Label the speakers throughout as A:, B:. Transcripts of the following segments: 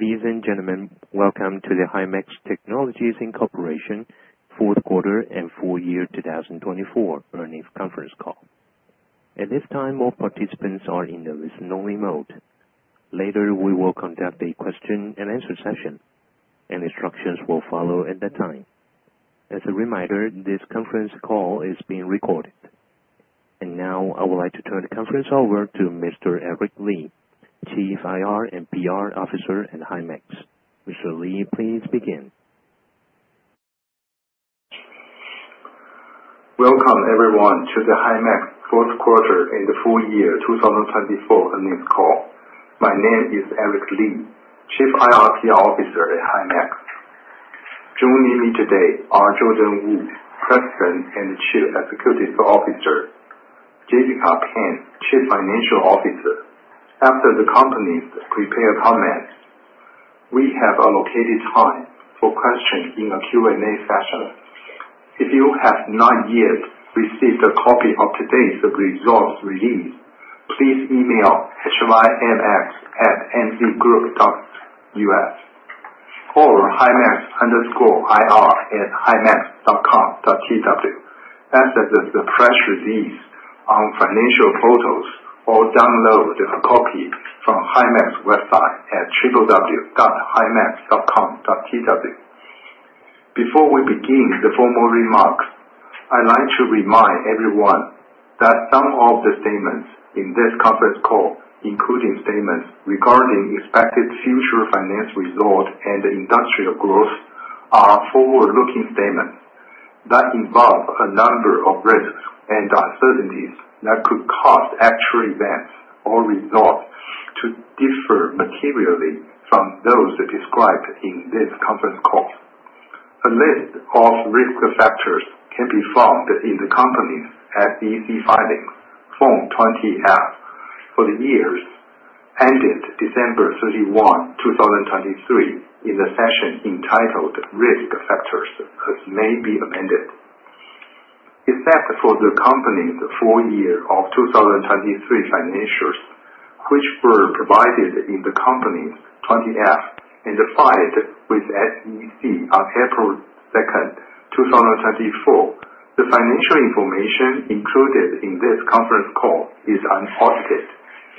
A: Ladies and gentlemen, welcome to the Himax Technologies, Inc fourth quarter and full year 2024 earnings conference call. At this time, all participants are in the listen-only mode. Later, we will conduct a question-and-answer session. Instructions will follow at that time. As a reminder, this conference call is being recorded. And now, I would like to turn the conference over to Mr. Eric Li, Chief IR and PR Officer at Himax. Mr. Li, please begin.
B: Welcome, everyone, to the Himax fourth quarter and the full year 2024 earnings call. My name is Eric Li, Chief IR and PR Officer at Himax. Joining me today are Jordan Wu, President and Chief Executive Officer. Jessica Pan, Chief Financial Officer. After the company's prepared comments, we have allocated time for questions in a Q&A session. If you have not yet received a copy of today's results release, please email HIMX@mzgroup.us or hx_ir@himax.com.tw, access the press release on financial portals, or download a copy from Himax website at www.himax.com.tw. Before we begin the formal remarks, I'd like to remind everyone that some of the statements in this conference call, including statements regarding expected future financial results and industry growth, are forward-looking statements that involve a number of risks and uncertainties that could cause actual events or results to differ materially from those described in this conference call. A list of risk factors can be found in the company's SEC filings, Form 20-F, for the years ended December 31, 2023, in the section entitled "Risk Factors", as may be amended. Except for the company's full year of 2023 financials, which were provided in the company's 20-F and filed with SEC on April 2nd, 2024, the financial information included in this conference call is unaudited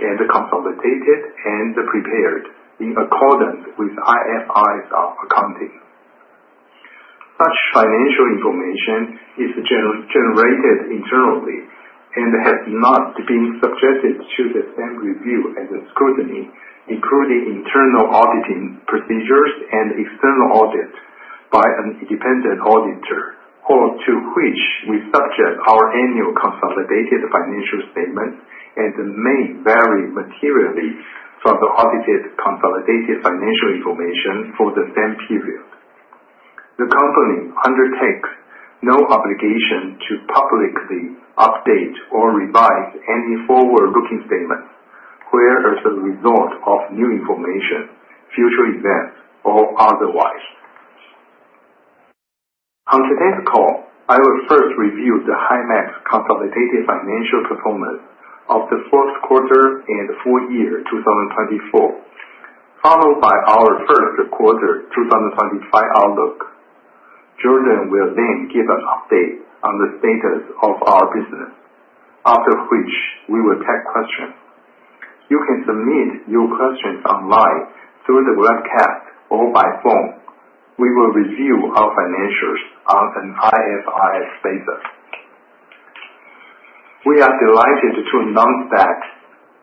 B: and consolidated and prepared in accordance with IFRS accounting. Such financial information is generated internally and has not been subjected to the same review and scrutiny, including internal auditing procedures and external audit by an independent auditor, to which we subject our annual consolidated financial statements, and may vary materially from the audited consolidated financial information for the same period. The company undertakes no obligation to publicly update or revise any forward-looking statements, whether as a result of new information, future events, or otherwise. On today's call, I will first review the Himax consolidated financial performance of the fourth quarter and full year 2024, followed by our first quarter 2025 outlook. Jordan will then give an update on the status of our business, after which we will take questions. You can submit your questions online through the webcast or by phone. We will review our financials on an IFRS basis. We are delighted to announce that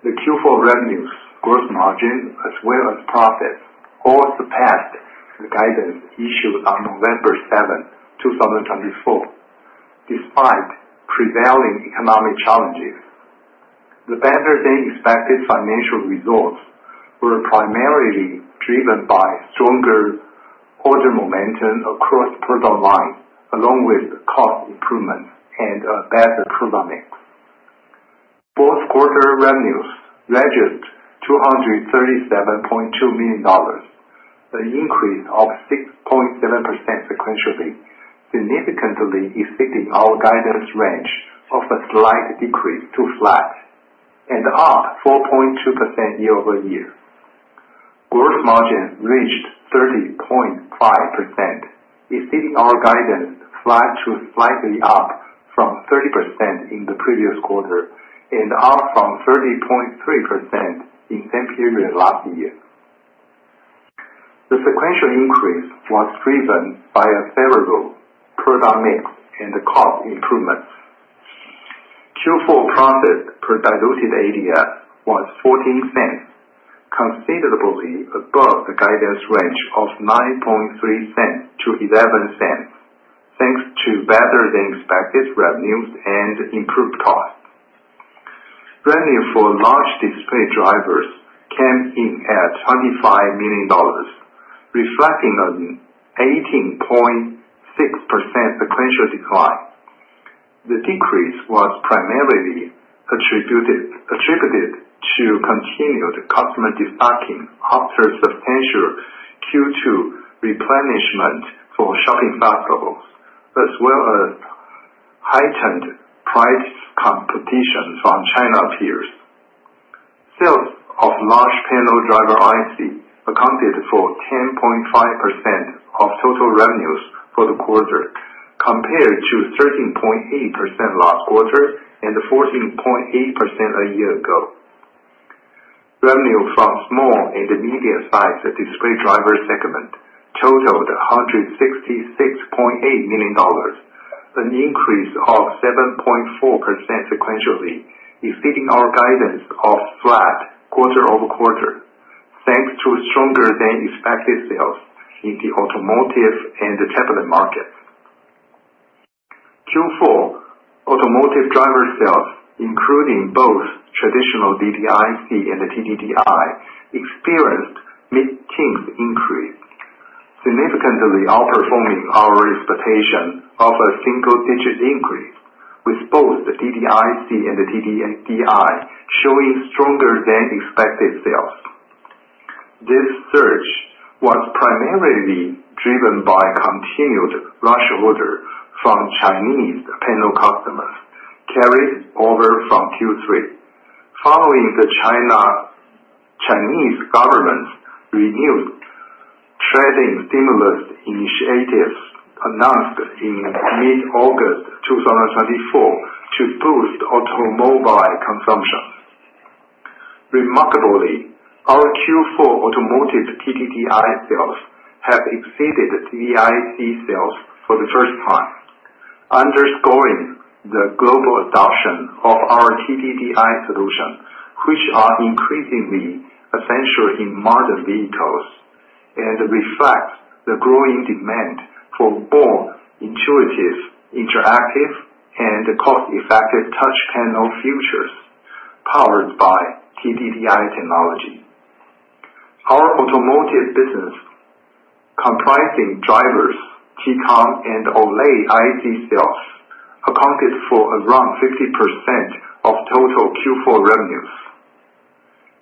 B: the Q4 revenues, gross margin, as well as profits, all surpassed the guidance issued on November 7, 2024. Despite prevailing economic challenges, the better-than-expected financial results were primarily driven by stronger order momentum across the product line, along with cost improvements and a better product mix. Fourth quarter revenues registered $237.2 million, an increase of 6.7% sequentially, significantly exceeding our guidance range of a slight decrease to flat, and up 4.2% year-over-year. Gross margin reached 30.5%, exceeding our guidance flat to slightly up from 30% in the previous quarter and up from 30.3% in the same period last year. The sequential increase was driven by a favorable product mix and cost improvements. Q4 profit per diluted ADS was $0.14, considerably above the guidance range of $0.093-$0.11, thanks to better-than-expected revenues and improved costs. Revenue for large display drivers came in at $25 million, reflecting an 18.6% sequential decline. The decrease was primarily attributed to continued customer destocking after substantial Q2 replenishment for shopping festivals, as well as heightened price competition from China peers. Sales of large panel driver IC accounted for 10.5% of total revenues for the quarter, compared to 13.8% last quarter and 14.8% a year ago. Revenue from small and medium-sized display driver segment totaled $166.8 million, an increase of 7.4% sequentially, exceeding our guidance of flat quarter-over-quarter, thanks to stronger-than-expected sales in the automotive and the tablet markets. Q4 automotive driver sales, including both traditional DDIC and TDDI, experienced mid-teens increase, significantly outperforming our expectation of a single-digit increase, with both DDIC and TDDI showing stronger-than-expected sales. This surge was primarily driven by continued rush order from Chinese panel customers carried over from Q3, following the Chinese government's renewed trade-in stimulus initiatives announced in mid-August 2024 to boost automobile consumption. Remarkably, our Q4 automotive TDDI sales have exceeded DDIC sales for the first time, underscoring the global adoption of our TDDI solutions, which are increasingly essential in modern vehicles and reflect the growing demand for more intuitive, interactive, and cost-effective touch panel features powered by TDDI technology. Our automotive business, comprising drivers, TCON, and OLED IC sales, accounted for around 50% of total Q4 revenues.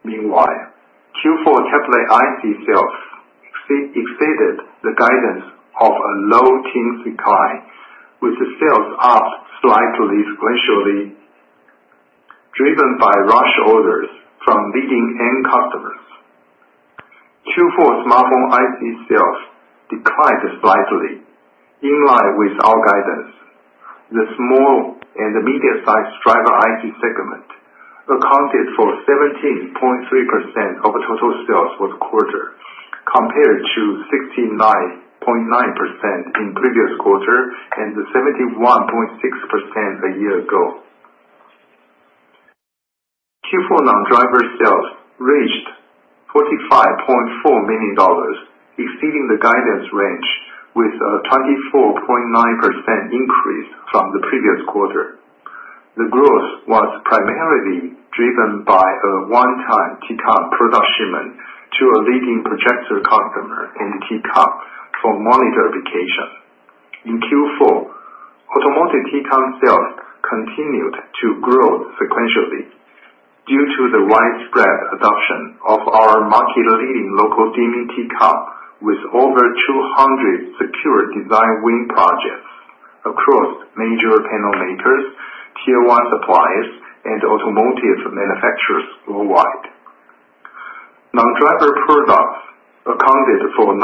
B: Meanwhile, Q4 tablet IC sales exceeded the guidance of a low-teens decline, with sales up slightly sequentially, driven by rush orders from leading end customers. Q4 smartphone IC sales declined slightly, in line with our guidance. The small and medium-sized driver IC segment accounted for 17.3% of total sales for the quarter, compared to 69.9% in the previous quarter and 71.6% a year ago. Q4 non-driver sales reached $45.4 million, exceeding the guidance range, with a 24.9% increase from the previous quarter. The growth was primarily driven by a one-time TCON product shipment to a leading projector customer and TCON for monitor application. In Q4, automotive TCON sales continued to grow sequentially due to the widespread adoption of our market-leading local dimming TCON, with over 200 secured design-win projects across major panel makers, Tier 1s suppliers, and automotive manufacturers worldwide. Non-driver products accounted for 19.2%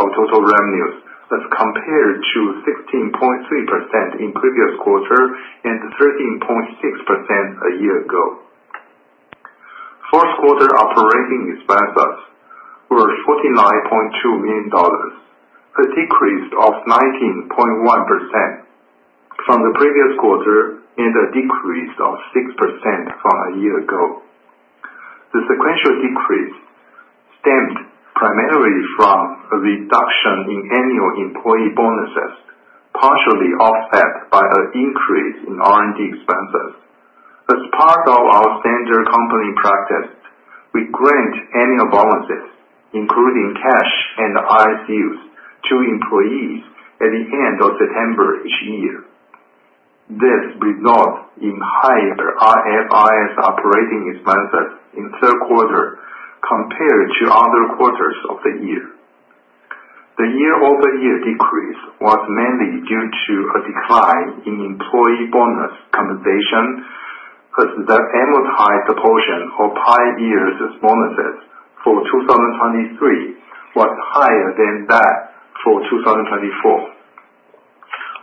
B: of total revenues, as compared to 16.3% in the previous quarter and 13.6% a year ago. Fourth quarter operating expenses were $49.2 million, a decrease of 19.1% from the previous quarter and a decrease of 6% from a year ago. The sequential decrease stemmed primarily from a reduction in annual employee bonuses, partially offset by an increase in R&D expenses. As part of our standard company practice, we grant annual bonuses, including cash and RSUs, to employees at the end of September each year. This resulted in higher IFRS operating expenses in the third quarter compared to other quarters of the year. The year-over-year decrease was mainly due to a decline in employee bonus compensation, as the amortized portion of prior year's bonuses for 2023 was higher than that for 2024,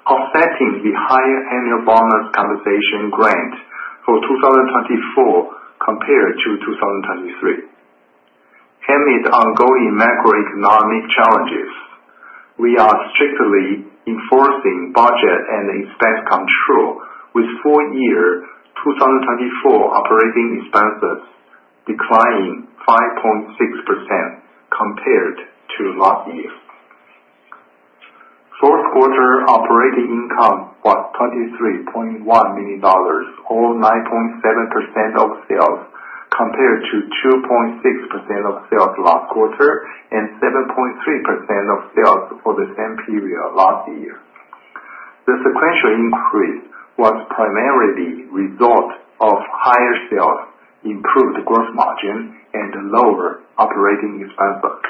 B: offsetting the higher annual bonus compensation grant for 2024 compared to 2023. Amid ongoing macroeconomic challenges, we are strictly enforcing budget and expense control, with full year 2024 operating expenses declining 5.6% compared to last year. Fourth quarter operating income was $23.1 million, or 9.7% of sales, compared to 2.6% of sales last quarter and 7.3% of sales for the same period last year. The sequential increase was primarily the result of higher sales, improved gross margin, and lower operating expenses.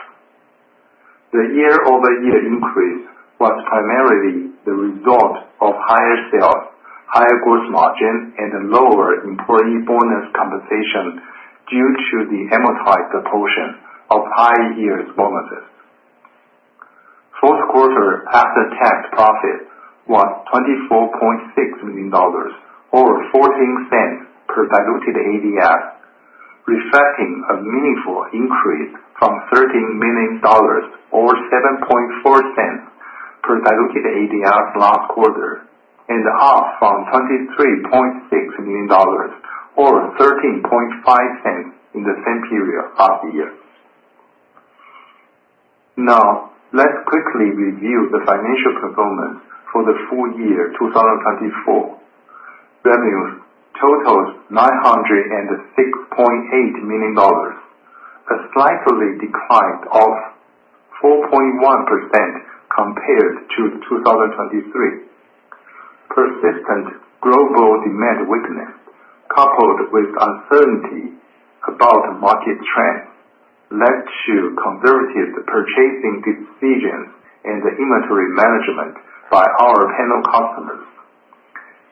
B: The year-over-year increase was primarily the result of higher sales, higher gross margin, and lower employee bonus compensation due to the amortized portion of prior year's bonuses. Fourth quarter after-tax profit was $24.6 million, or $0.14 per diluted ADS, reflecting a meaningful increase from $13 million, or $0.074 per diluted ADS last quarter, and up from $23.6 million, or $0.135 in the same period last year. Now, let's quickly review the financial performance for the full year 2024. Revenues totaled $906.8 million, a slight decline of 4.1% compared to 2023. Persistent global demand weakness, coupled with uncertainty about market trends, led to conservative purchasing decisions and inventory management by our panel customers.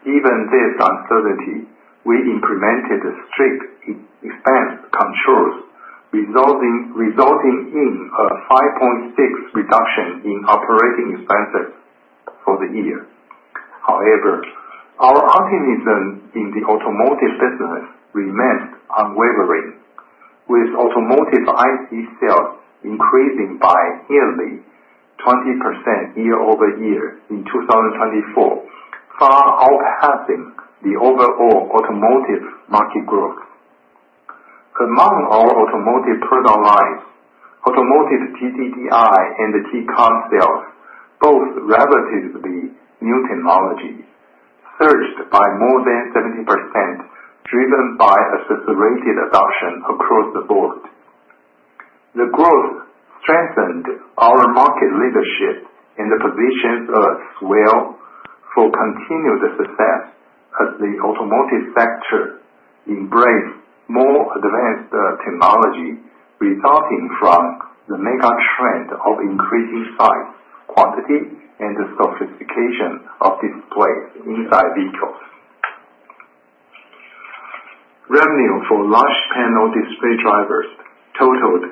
B: Despite this uncertainty, we implemented strict expense controls, resulting in a 5.6% reduction in operating expenses for the year. However, our optimism in the automotive business remained unwavering, with automotive IC sales increasing by nearly 20% year-over-year in 2024, far outpacing the overall automotive market growth. Among our automotive product lines, automotive TDDI and TCON sales, both relatively new technologies, surged by more than 70%, driven by accelerated adoption across the board. The growth strengthened our market leadership and positions us well for continued success as the automotive sector embraced more advanced technology, resulting from the mega trend of increasing size, quantity, and sophistication of displays inside vehicles. Revenue for large panel display drivers totaled $125.9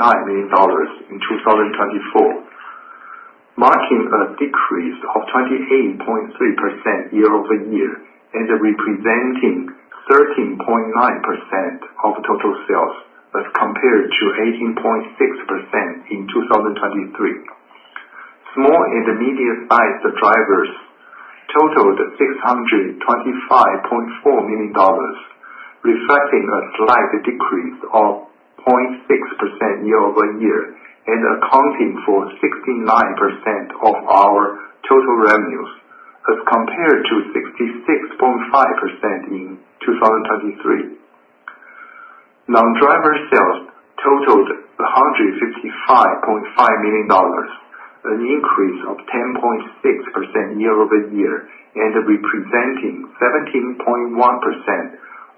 B: million in 2024, marking a decrease of 28.3% year-over-year and representing 13.9% of total sales, as compared to 18.6% in 2023. Small and medium-sized drivers totaled $625.4 million, reflecting a slight decrease of 0.6% year-over-year and accounting for 69% of our total revenues, as compared to 66.5% in 2023. Non-driver sales totaled $155.5 million, an increase of 10.6% year-over-year and representing 17.1%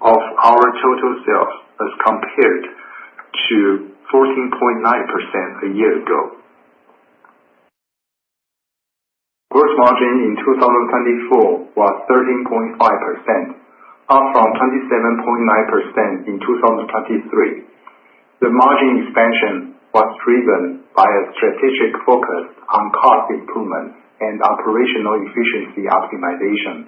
B: of our total sales, as compared to 14.9% a year ago. Gross margin in 2024 was 13.5%, up from 27.9% in 2023. The margin expansion was driven by a strategic focus on cost improvement and operational efficiency optimization,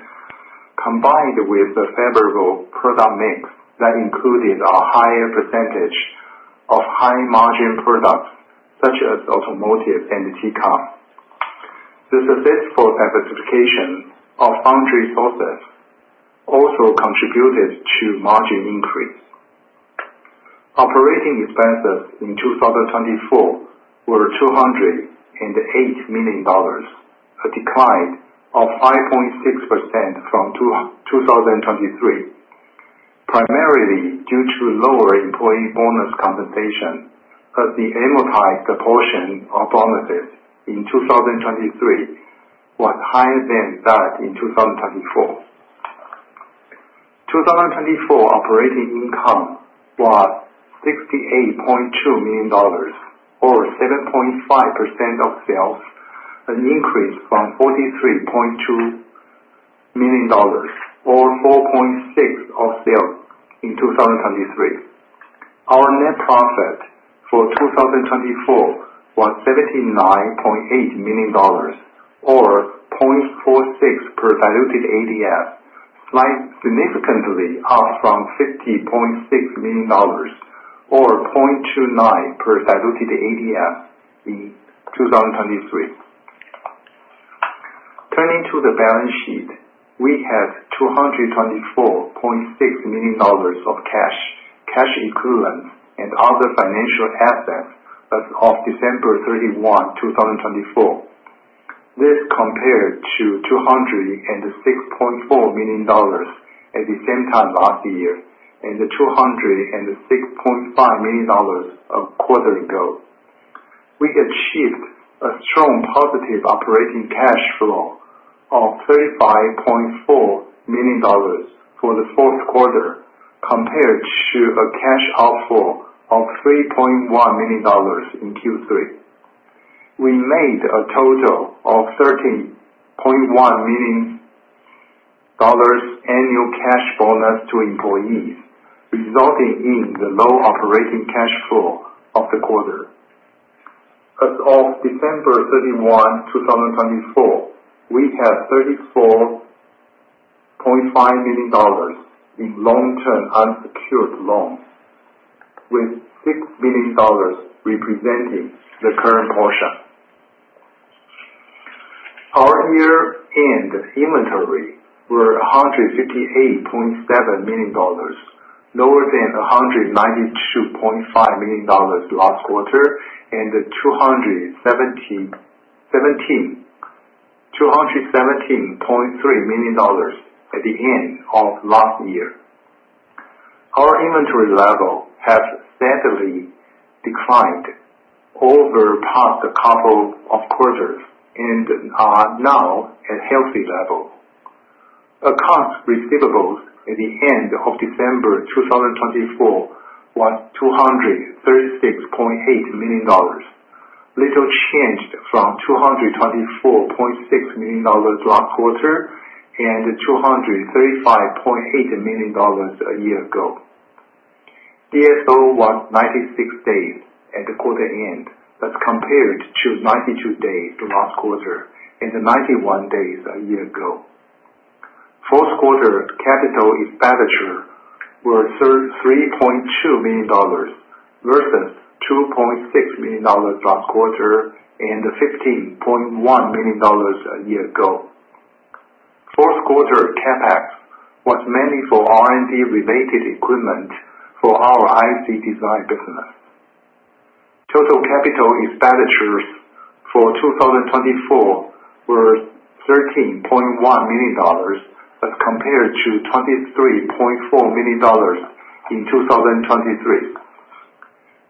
B: combined with a favorable product mix that included a higher percentage of high-margin products such as automotive and TCON. The successful diversification of foundry sources also contributed to margin increase. Operating expenses in 2024 were $208 million, a decline of 5.6% from 2023, primarily due to lower employee bonus compensation, as the amortized portion of bonuses in 2023 was higher than that in 2024. 2024 operating income was $68.2 million, or 7.5% of sales, an increase from $43.2 million, or 4.6% of sales in 2023. Our net profit for 2024 was $79.8 million, or $0.46 per diluted ADS, significantly up from $50.6 million, or $0.29 per diluted ADS in 2023. Turning to the balance sheet, we had $224.6 million of cash, cash equivalents, and other financial assets as of December 31, 2024. This compared to $206.4 million at the same time last year and $206.5 million a quarter ago. We achieved a strong positive operating cash flow of $35.4 million for the fourth quarter, compared to a cash outflow of $3.1 million in Q3. We made a total of $13.1 million annual cash bonus to employees, resulting in the low operating cash flow of the quarter. As of December 31, 2024, we had $34.5 million in long-term unsecured loans, with $6 million representing the current portion. Our year-end inventory were $158.7 million, lower than $192.5 million last quarter and $217.3 million at the end of last year. Our inventory level has steadily declined over the past couple of quarters and now at a healthy level. Accounts receivables at the end of December 2024 were $236.8 million, little changed from $224.6 million last quarter and $235.8 million a year ago. DSO was 96 days at the quarter end, as compared to 92 days last quarter and 91 days a year ago. Fourth quarter capital expenditure was $3.2 million versus $2.6 million last quarter and $15.1 million a year ago. Fourth quarter CapEx was mainly for R&D-related equipment for our IC design business. Total capital expenditures for 2024 were $13.1 million, as compared to $23.4 million in 2023.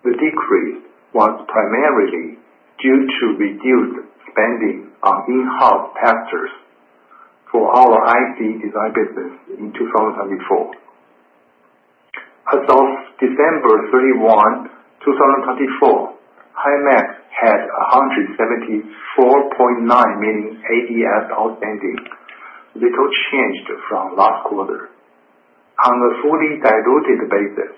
B: The decrease was primarily due to reduced spending on in-house testers for our IC design business in 2024. As of December 31, 2024, Himax had $174.9 million ADS outstanding, little changed from last quarter. On a fully diluted basis,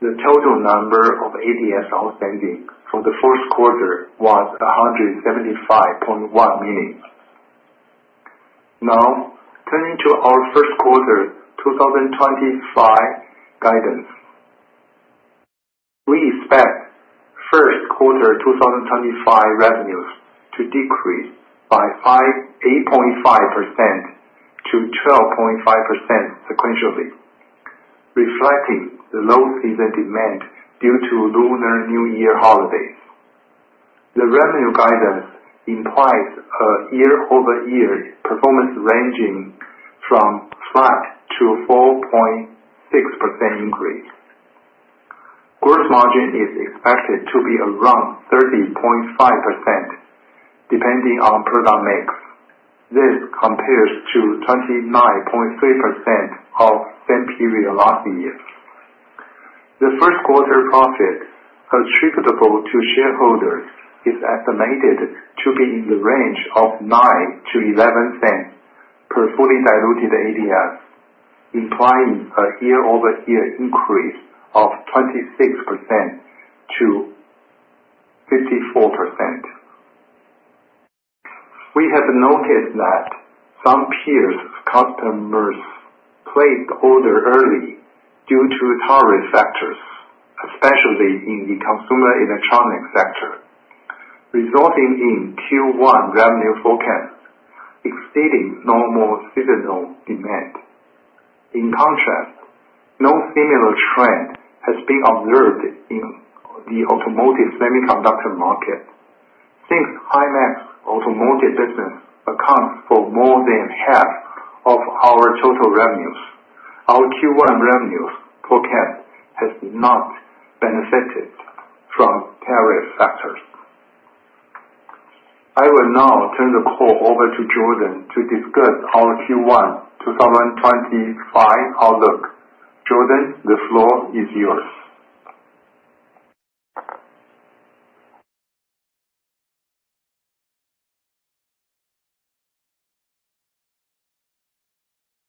B: the total number of ADS outstanding for the fourth quarter was $175.1 million. Now, turning to our first quarter 2025 guidance, we expect first quarter 2025 revenues to decrease by 8.5%-12.5% sequentially, reflecting the low season demand due to Lunar New Year holidays. The revenue guidance implies a year-over-year performance ranging from flat to 4.6% increase. Gross margin is expected to be around 30.5%, depending on product mix. This compares to 29.3% of the same period last year. The first quarter profit attributable to shareholders is estimated to be in the range of $0.09-$0.11 per fully diluted ADS, implying a year-over-year increase of 26%-54%. We have noticed that some peers' customers pulled orders early due to tariff factors, especially in the consumer electronics sector, resulting in Q1 revenue forecasts exceeding normal seasonal demand. In contrast, no similar trend has been observed in the automotive semiconductor market. Since Himax's automotive business accounts for more than 1/2 of our total revenues, our Q1 revenue forecast has not benefited from tariff factors. I will now turn the call over to Jordan to discuss our Q1 2025 outlook. Jordan, the floor is yours.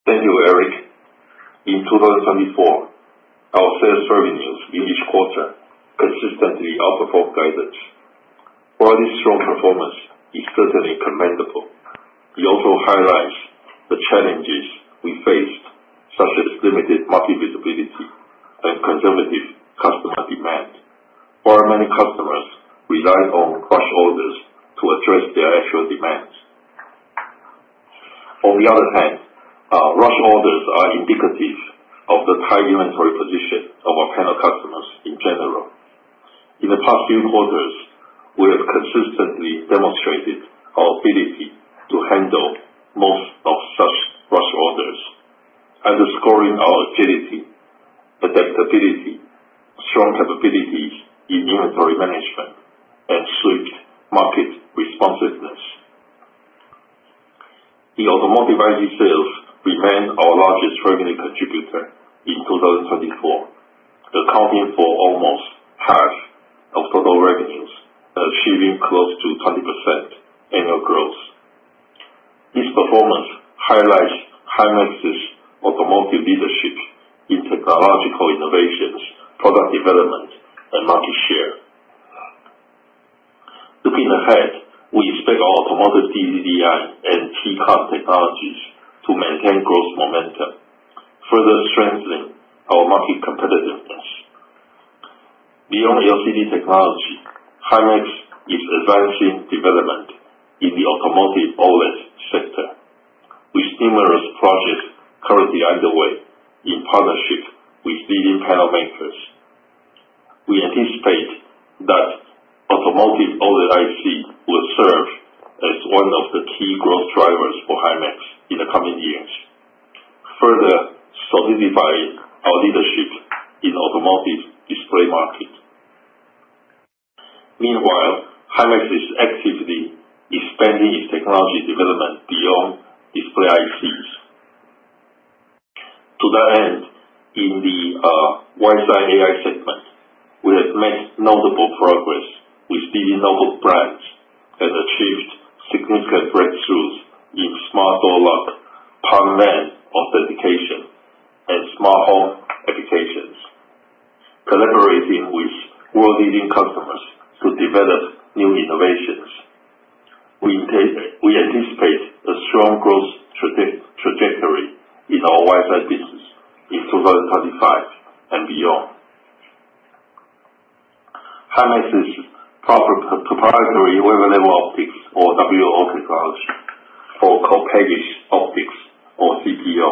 C: Thank you, Eric. In 2024, our sales revenues in each quarter consistently outperformed guidance. While this strong performance is certainly commendable, it also highlights the challenges we faced, such as limited market visibility and conservative customer demand, while many customers relied on rush orders to address their actual demands. On the other hand, rush orders are indicative of the tight inventory position of our panel customers in general. In the past few quarters, we have consistently demonstrated our ability to handle most of such rush orders, underscoring our agility, adaptability, strong capabilities in inventory management, and swift market responsiveness. The automotive IC sales remained our largest revenue contributor in 2024, accounting for almost 1/2 of total revenues, achieving close to 20% annual growth. This performance highlights Himax's automotive leadership in technological innovations, product development, and market share. Looking ahead, we expect our automotive TDDI and TCON technologies to maintain growth momentum, further strengthening our market competitiveness. Beyond LCD technology, Himax is advancing development in the automotive OLED sector, with numerous projects currently underway in partnership with leading panel makers. We anticipate that automotive OLED IC will serve as one of the key growth drivers for Himax in the coming years, further solidifying our leadership in the automotive display market. Meanwhile, Himax is actively expanding its technology development beyond display ICs. To that end, in the WiseEye AI segment, we have made notable progress with leading notebook brands and achieved significant breakthroughs in smart door lock, palm vein authentication, and smart home applications, collaborating with world-leading customers to develop new innovations. We anticipate a strong growth trajectory in our WiseEye business in 2025 and beyond. Himax's proprietary wafer-level optics, or WLO technology, or co-packaged optics, or CPO,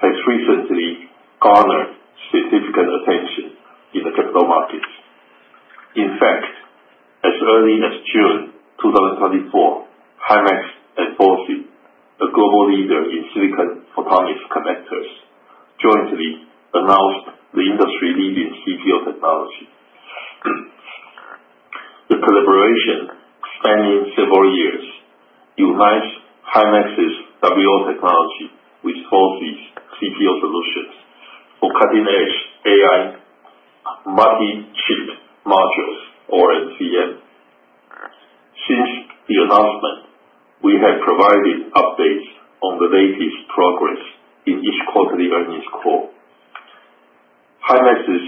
C: has recently garnered significant attention in the capital markets. In fact, as early as June 2024, Himax and FOCI, a global leader in silicon photonics connectors, jointly announced the industry-leading CPO technology. The collaboration, spanning several years, unites Himax's WLO technology with FOCI's CPO solutions for cutting-edge AI multi-chip modules, or MCM. Since the announcement, we have provided updates on the latest progress in each quarterly earnings call. Himax's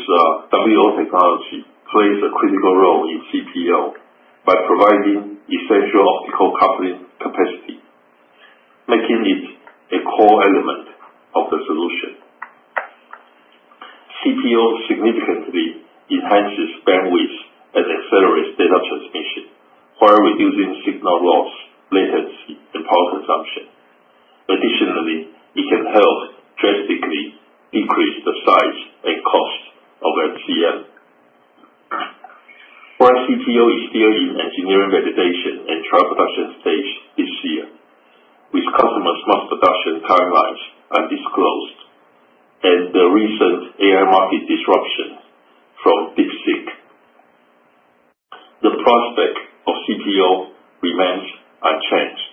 C: WLO technology plays a critical role in CPO by providing essential optical coupling capacity, making it a core element of the solution. CPO significantly enhances bandwidth and accelerates data transmission while reducing signal loss, latency, and power consumption. Additionally, it can help drastically decrease the size and cost of MCM. Our CPO is still in engineering validation and trial production stage this year, with customers' mass production timelines undisclosed and the recent AI market disruption from DeepSeek. The prospect of CPO remains unchanged.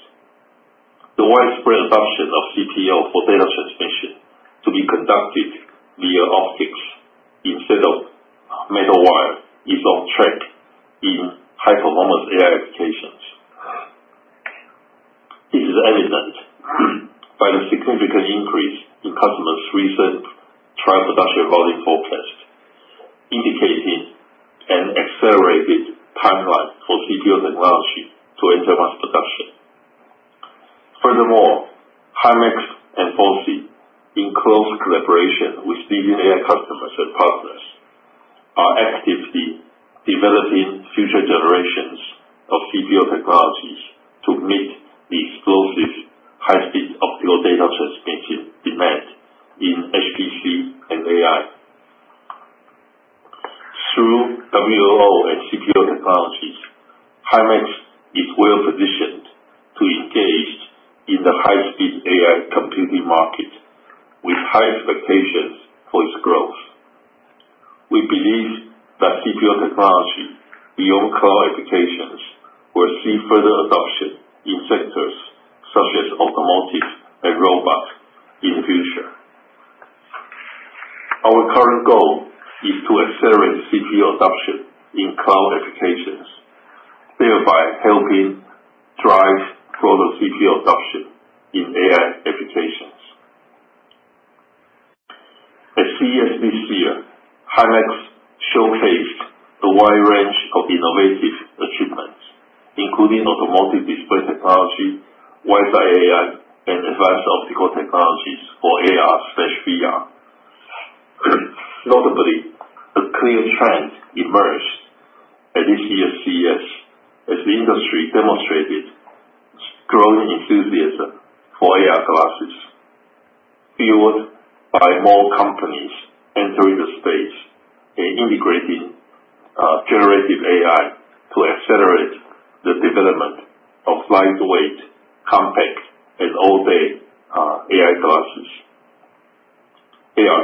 C: The widespread adoption of CPO for data transmission to be conducted via optics instead of metal wire is on track in high-performance AI applications. This is evident by the significant increase in customers' recent trial production volume forecast, indicating an accelerated timeline for CPO technology to enter mass production. Furthermore, Himax and FOCI, in close collaboration with leading AI customers and partners, are actively developing future generations of CPO technologies to meet the explosive high-speed optical data transmission demand in HPC and AI. Through WLO and CPO technologies, Himax is well positioned to engage in the high-speed AI computing market with high expectations for its growth. We believe that CPO technology beyond cloud applications will see further adoption in sectors such as automotive and robot in the future. Our current goal is to accelerate CPO adoption in cloud applications, thereby helping drive further CPO adoption in AI applications. At CES this year, Himax showcased a wide range of innovative achievements, including automotive display technology, WiseEye AI, and advanced optical technologies for AR/VR. Notably, a clear trend emerged at this year's CES as the industry demonstrated growing enthusiasm for AR glasses, fueled by more companies entering the space and integrating generative AI to accelerate the development of lightweight, compact, and all-day AR glasses. For AR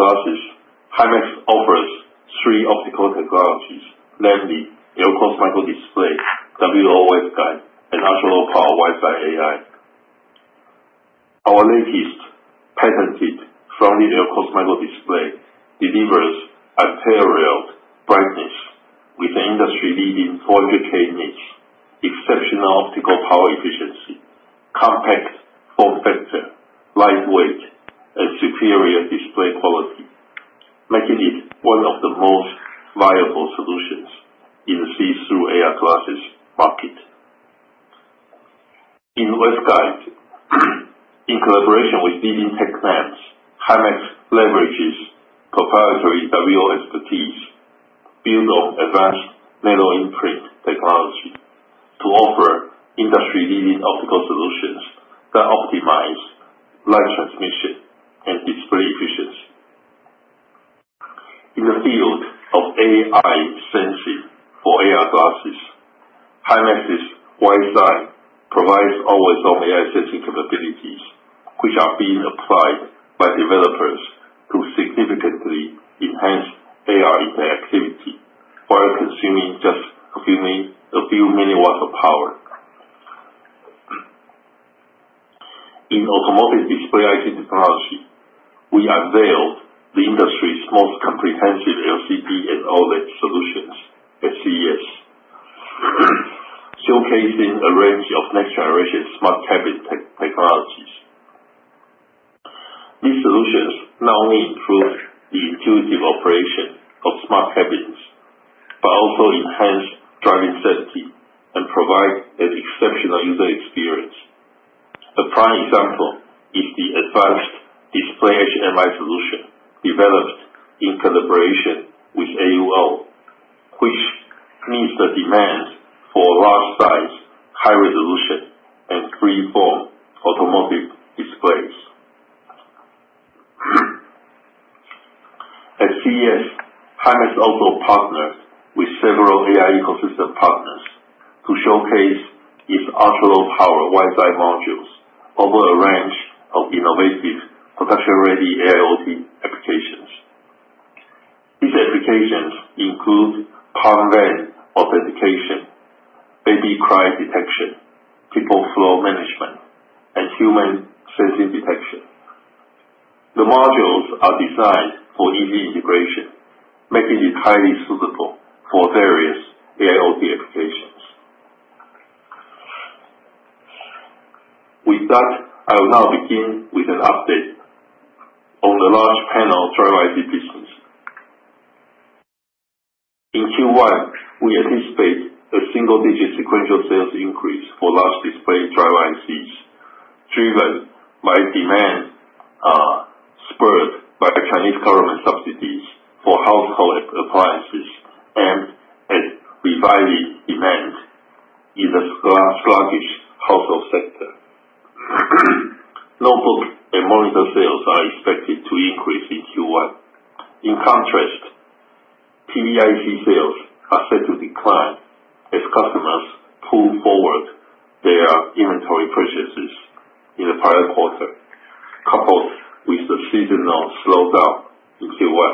C: glasses, Himax offers three optical technologies: namely LCoS Microdisplay, WLO Waveguide, and ultralow power WiseEye AI. Our latest patented Front-lit LCoS Microdisplay delivers unparalleled brightness with an industry-leading 400K nits, exceptional optical power efficiency, compact form factor, lightweight, and superior display quality, making it one of the most viable solutions in the see-through AR glasses market. In waveguide, in collaboration with leading tech firms, Himax leverages proprietary WLO expertise built on advanced nano-imprint technology to offer industry-leading optical solutions that optimize light transmission and display efficiency. In the field of AI sensing for AR glasses, Himax's WiseEye provides always-on AI sensing capabilities, which are being applied by developers to significantly enhance AR interactivity while consuming just a few milliwatts of power. In automotive display IC technology, we unveiled the industry's most comprehensive LCD and OLED solutions at CES, showcasing a range of next-generation smart cabin technologies. These solutions not only improve the intuitive operation of smart cabins but also enhance driving safety and provide an exceptional user experience. A prime example is the advanced display HMI solution developed in collaboration with AUO, which meets the demands for large-size, high-resolution, and freeform automotive displays. At CES, Himax also partnered with several AI ecosystem partners to showcase its ultralow power WiseEye modules over a range of innovative, production-ready AIoT applications. These applications include palm vein authentication, baby cry detection, people flow management, and human sensing detection. The modules are designed for easy integration, making it highly suitable for various AIoT applications. With that, I will now begin with an update on the large panel driver IC business. In Q1, we anticipate a single-digit sequential sales increase for large display driver ICs, driven by demand spurred by Chinese government subsidies for household appliances and a reviving demand in the sluggish household sector. Notebook and monitor sales are expected to increase in Q1. In contrast, TV IC sales are set to decline as customers pull forward their inventory purchases in the prior quarter, coupled with the seasonal slowdown in Q1.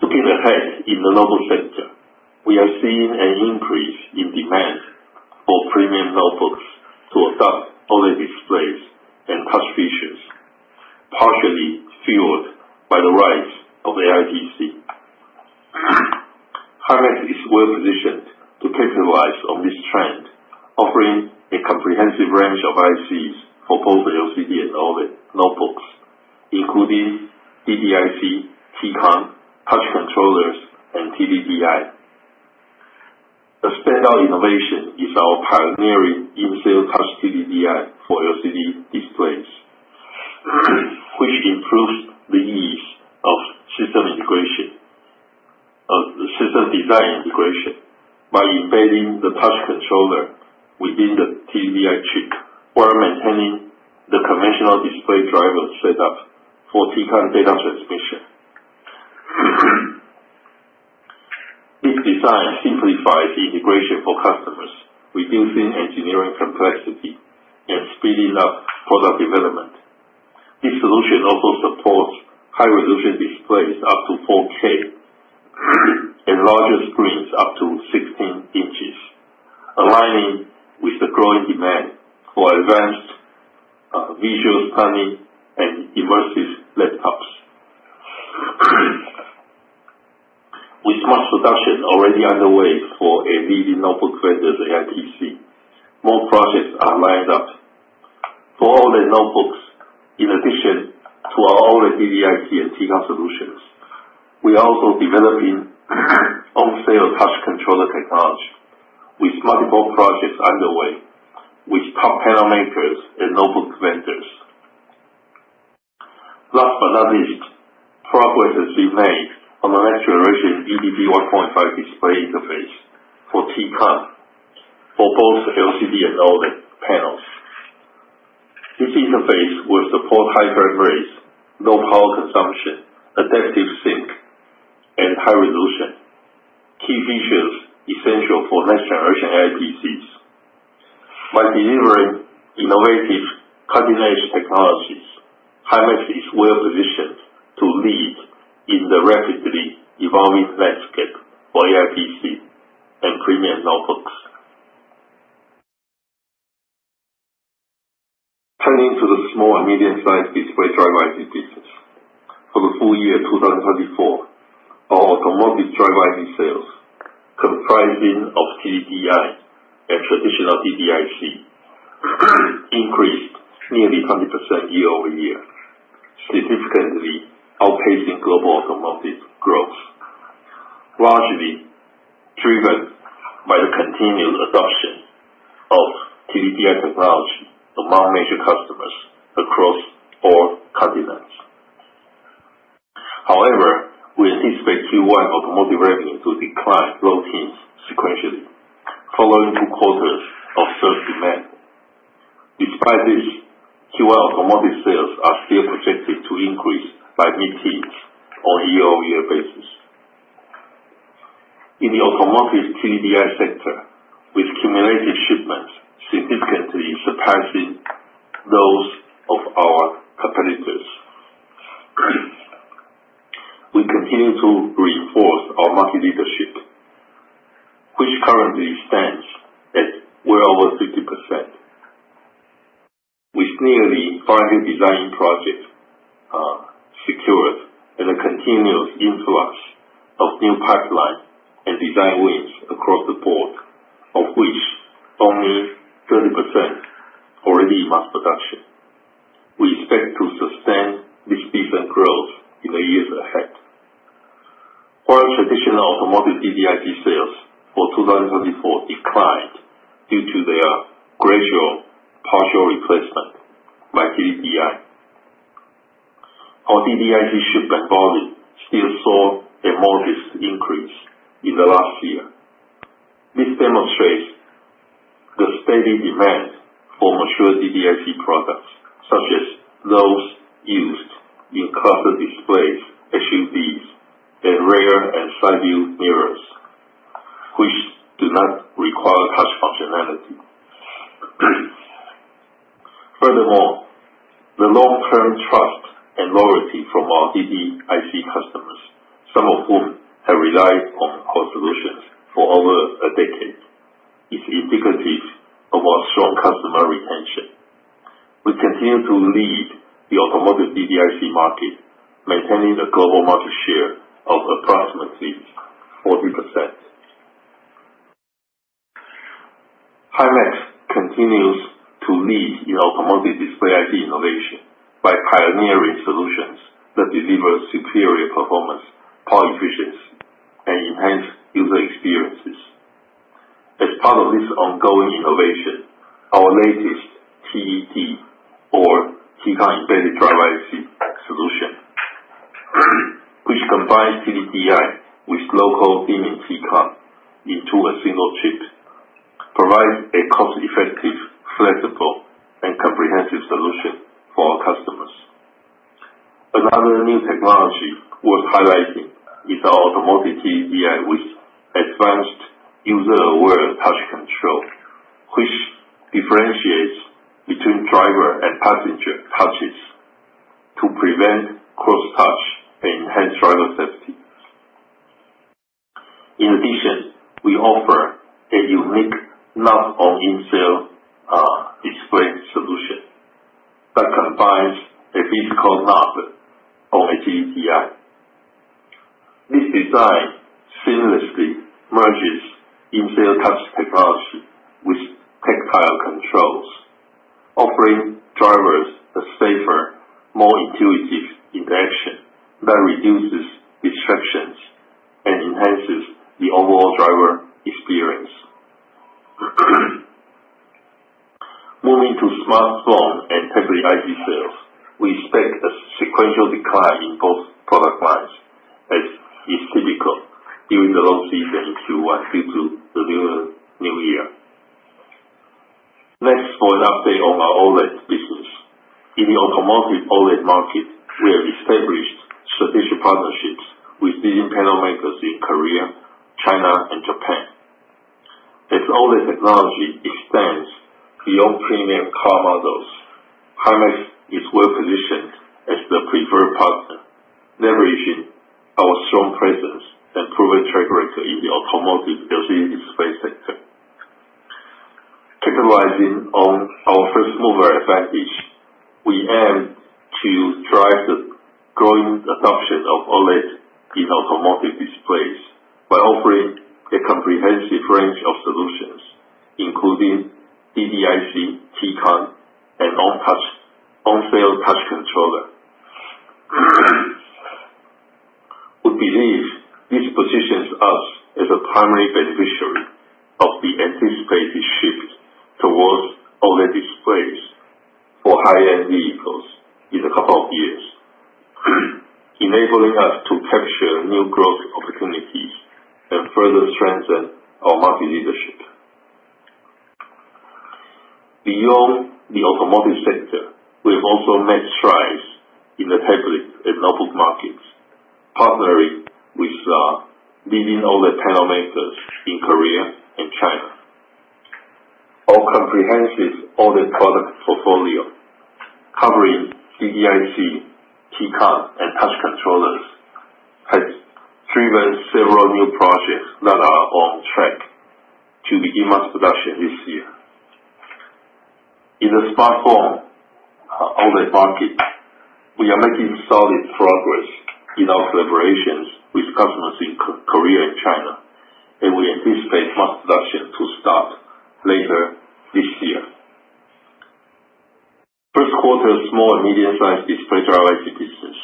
C: Looking ahead in the notebook sector, we are seeing an increase in demand for premium notebooks to adopt OLED displays and touch features, partially fueled by the rise of AI PC. Himax is well positioned to capitalize on this trend, offering a comprehensive range of ICs for both LCD and OLED notebooks, including DDIC, TCON, touch controllers, and TDDI. A standout innovation is our pioneering in-cell touch TDDI for LCD displays, which improves the ease of system design integration by embedding the touch controller within the TDDI chip while maintaining the conventional display driver setup for TCON data transmission. This design simplifies integration for customers, reducing engineering complexity and speeding up product development. This solution also supports high-resolution displays up to 4K and larger screens up to 16 in, aligning with the growing demand for advanced visual planning and immersive laptops. With mass production already underway for a leading notebook vendor, the AI PC, more projects are lined up. For OLED notebooks, in addition to our OLED TDDI and TCON solutions, we are also developing on-cell touch controller technology with multiple projects underway with top panel makers and notebook vendors. Last but not least, progress has been made on the next-generation eDP 1.5 display interface for TCON for both LCD and OLED panels. This interface will support high frame rate, low power consumption, adaptive sync, and high resolution, key features essential for next-generation AI PCs. By delivering innovative cutting-edge technologies, Himax is well positioned to lead in the rapidly evolving landscape for AI PC and premium notebooks. Turning to the small and medium-sized display driver IC business, for the full year 2024, our automotive driver IC sales, comprising of TDDI and traditional DDIC, increased nearly 20% year-over-year, significantly outpacing global automotive growth, largely driven by the continued adoption of TDDI technology among major customers across all continents. However, we anticipate Q1 automotive revenue to decline low teens sequentially following two quarters of surge demand. Despite this, Q1 automotive sales are still projected to increase by mid-teens on a year-over-year basis. In the automotive TDDI sector, with cumulative shipments significantly surpassing those of our competitors, we continue to reinforce our market leadership, which currently stands at well over 50%, with nearly 500 design projects secured and a continuous influx of new pipeline and design wins across the board, of which only 30% are already in mass production. We expect to sustain this decent growth in the years ahead. While traditional automotive DDIC sales for 2024 declined due to their gradual partial replacement by TDDI, our DDIC shipment volume still saw a modest increase in the last year. This demonstrates the steady demand for mature DDIC products, such as those used in cluster displays, HUDs, and rear and side-view mirrors, which do not require touch functionality. Furthermore, the long-term trust and loyalty from our DDIC customers, some of whom have relied on our solutions for over a decade, is indicative of our strong customer retention. We continue to lead the automotive DDIC market, maintaining a global market share of approximately 40%. Himax continues to lead in automotive display IC innovation by pioneering solutions that deliver superior performance, power efficiency, and enhanced user experiences. As part of this ongoing innovation, our latest TED, or TCON embedded driver IC solution, which combines TDDI with local dimming TCON into a single chip, provides a cost-effective, flexible, and comprehensive solution for our customers. Another new technology worth highlighting is our automotive TDDI with advanced user-aware touch control, which differentiates between driver and passenger touches to prevent cross-touch and enhance driver safety. In addition, we offer a unique knob-on-in-cell display solution that combines a physical knob on a TDDI. This design seamlessly merges in-cell touch technology with tactile controls, offering drivers a safer, more intuitive interaction that reduces distractions and enhances the overall driver experience. Moving to smartphone and tablet IC sales, we expect a sequential decline in both product lines, as is typical during the low season in Q1 due to the new year. Next, for an update on our OLED business, in the automotive OLED market, we have established strategic partnerships with leading panel makers in Korea, China, and Japan. As OLED technology extends beyond premium car models, Himax is well positioned as the preferred partner, leveraging our strong presence and proven track record in the automotive LCD display sector. Capitalizing on our first-mover advantage, we aim to drive the growing adoption of OLED in automotive displays by offering a comprehensive range of solutions, including DDIC, TCON, and on-cell touch controller. We believe this positions us as a primary beneficiary of the anticipated shift towards OLED displays for high-end vehicles in a couple of years, enabling us to capture new growth opportunities and further strengthen our market leadership. Beyond the automotive sector, we have also made strides in the tablet and notebook markets, partnering with leading OLED panel makers in Korea and China. Our comprehensive OLED product portfolio, covering DDIC, TCON, and touch controllers, has driven several new projects that are on track to begin mass production this year. In the smartphone OLED market, we are making solid progress in our collaborations with customers in Korea and China, and we anticipate mass production to start later this year. First quarter small and medium-sized display driver IC business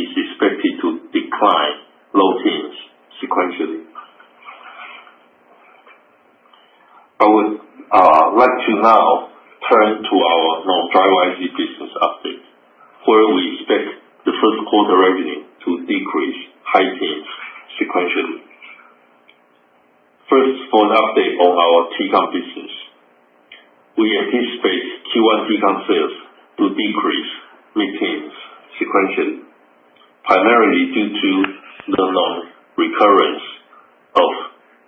C: is expected to decline low teens sequentially. I would like to now turn to our driver IC business update, where we expect the first quarter revenue to decrease high teens sequentially. First, for an update on our TCON business, we anticipate Q1 TCON sales to decrease mid-teens sequentially, primarily due to the non-recurrence of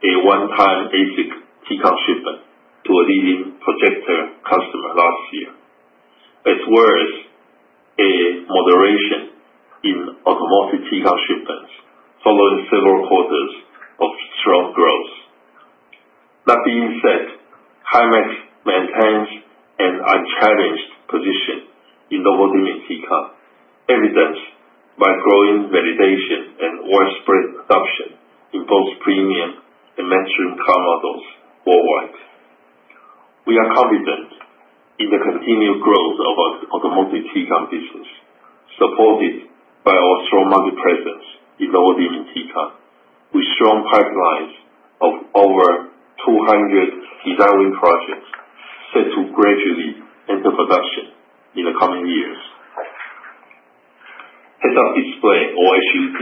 C: a one-time ASIC TCON shipment to a leading projector customer last year, as well as a moderation in automotive TCON shipments following several quarters of strong growth. That being said, Himax maintains an unchallenged position in dual timing TCON, evidenced by growing validation and widespread adoption in both premium and mainstream car models worldwide. We are confident in the continued growth of our automotive TCON business, supported by our strong market presence in dual timing TCON, with strong pipelines of over 200 design win projects set to gradually enter production in the coming years. Head-up display or HUD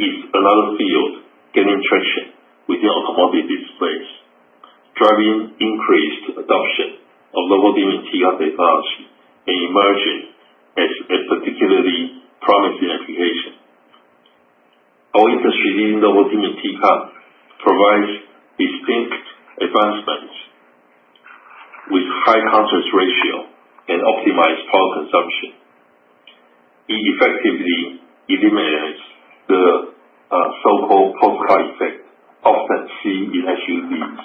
C: is another field gaining traction within automotive displays, driving increased adoption of dual timing TCON technology and emerging as a particularly promising application. Our industry-leading dual timing TCON provides distinct advancements with high contrast ratio and optimized power consumption. It effectively eliminates the so-called ghosting effect often seen in HUDs,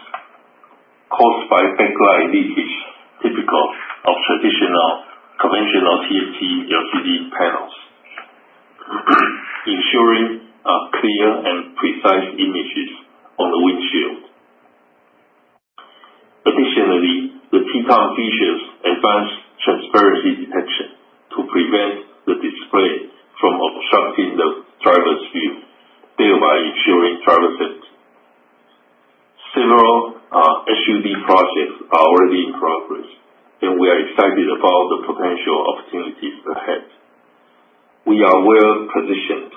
C: caused by backlight leakage typical of traditional conventional TFT LCD panels, ensuring clear and precise images on the windshield. Additionally, the TCON features advanced transparency detection to prevent the display from obstructing the driver's view, thereby ensuring driver safety. Several HUD projects are already in progress, and we are excited about the potential opportunities ahead. We are well positioned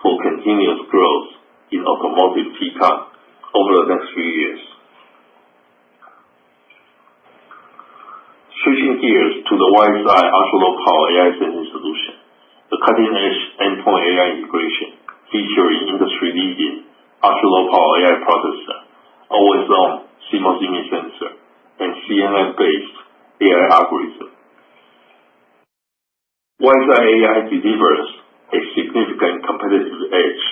C: for continuous growth in automotive TCON over the next few years. Switching gears to the WiseEye ultralow power AI sensing solution, the cutting-edge endpoint AI integration featuring industry-leading ultralow power AI processor, always-on CMOS image sensor, and CNN-based AI algorithm. WiseEye AI delivers a significant competitive edge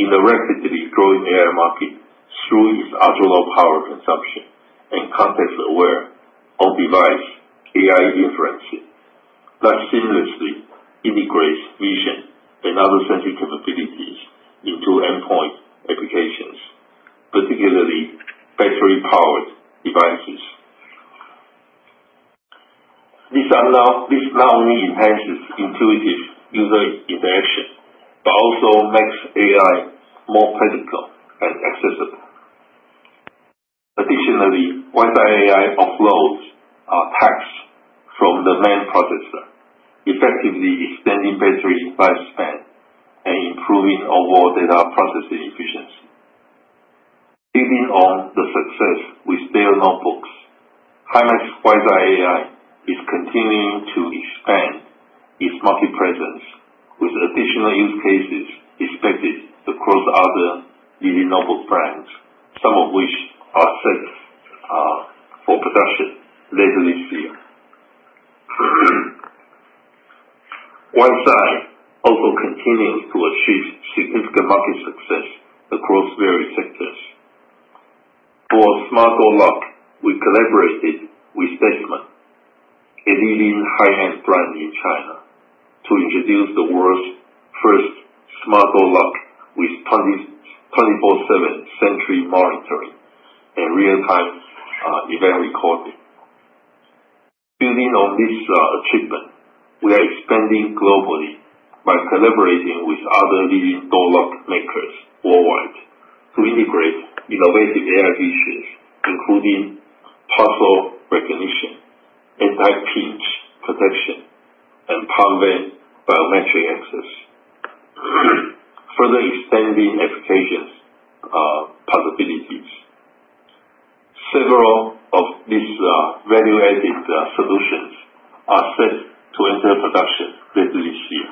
C: in the rapidly growing AI market through its ultra-low power consumption and context-aware on-device AI inferencing that seamlessly integrates vision and other sensing abilities into endpoint applications, particularly battery-powered devices. This not only enhances intuitive user interaction, but also makes AI more predictable and accessible. Additionally, WiseEye AI offloads tasks from the main processor, effectively extending battery lifespan and improving overall data processing efficiency. Building on the success with Dell notebooks, Himax WiseEye AI is continuing to expand its market presence with additional use cases expected across other leading notebook brands, some of which are set for production later this year. WiseEye also continues to achieve significant market success across various sectors. For smart door lock, we collaborated with DESMAN, a leading high-end brand in China, to introduce the world's first smart door lock with 24/7 sensory monitoring and real-time event recording. Building on this achievement, we are expanding globally by collaborating with other leading door lock makers worldwide to integrate innovative AI features, including parcel recognition, anti-pinch protection, and palm vein biometric access, further extending application possibilities. Several of these value-added solutions are set to enter production later this year.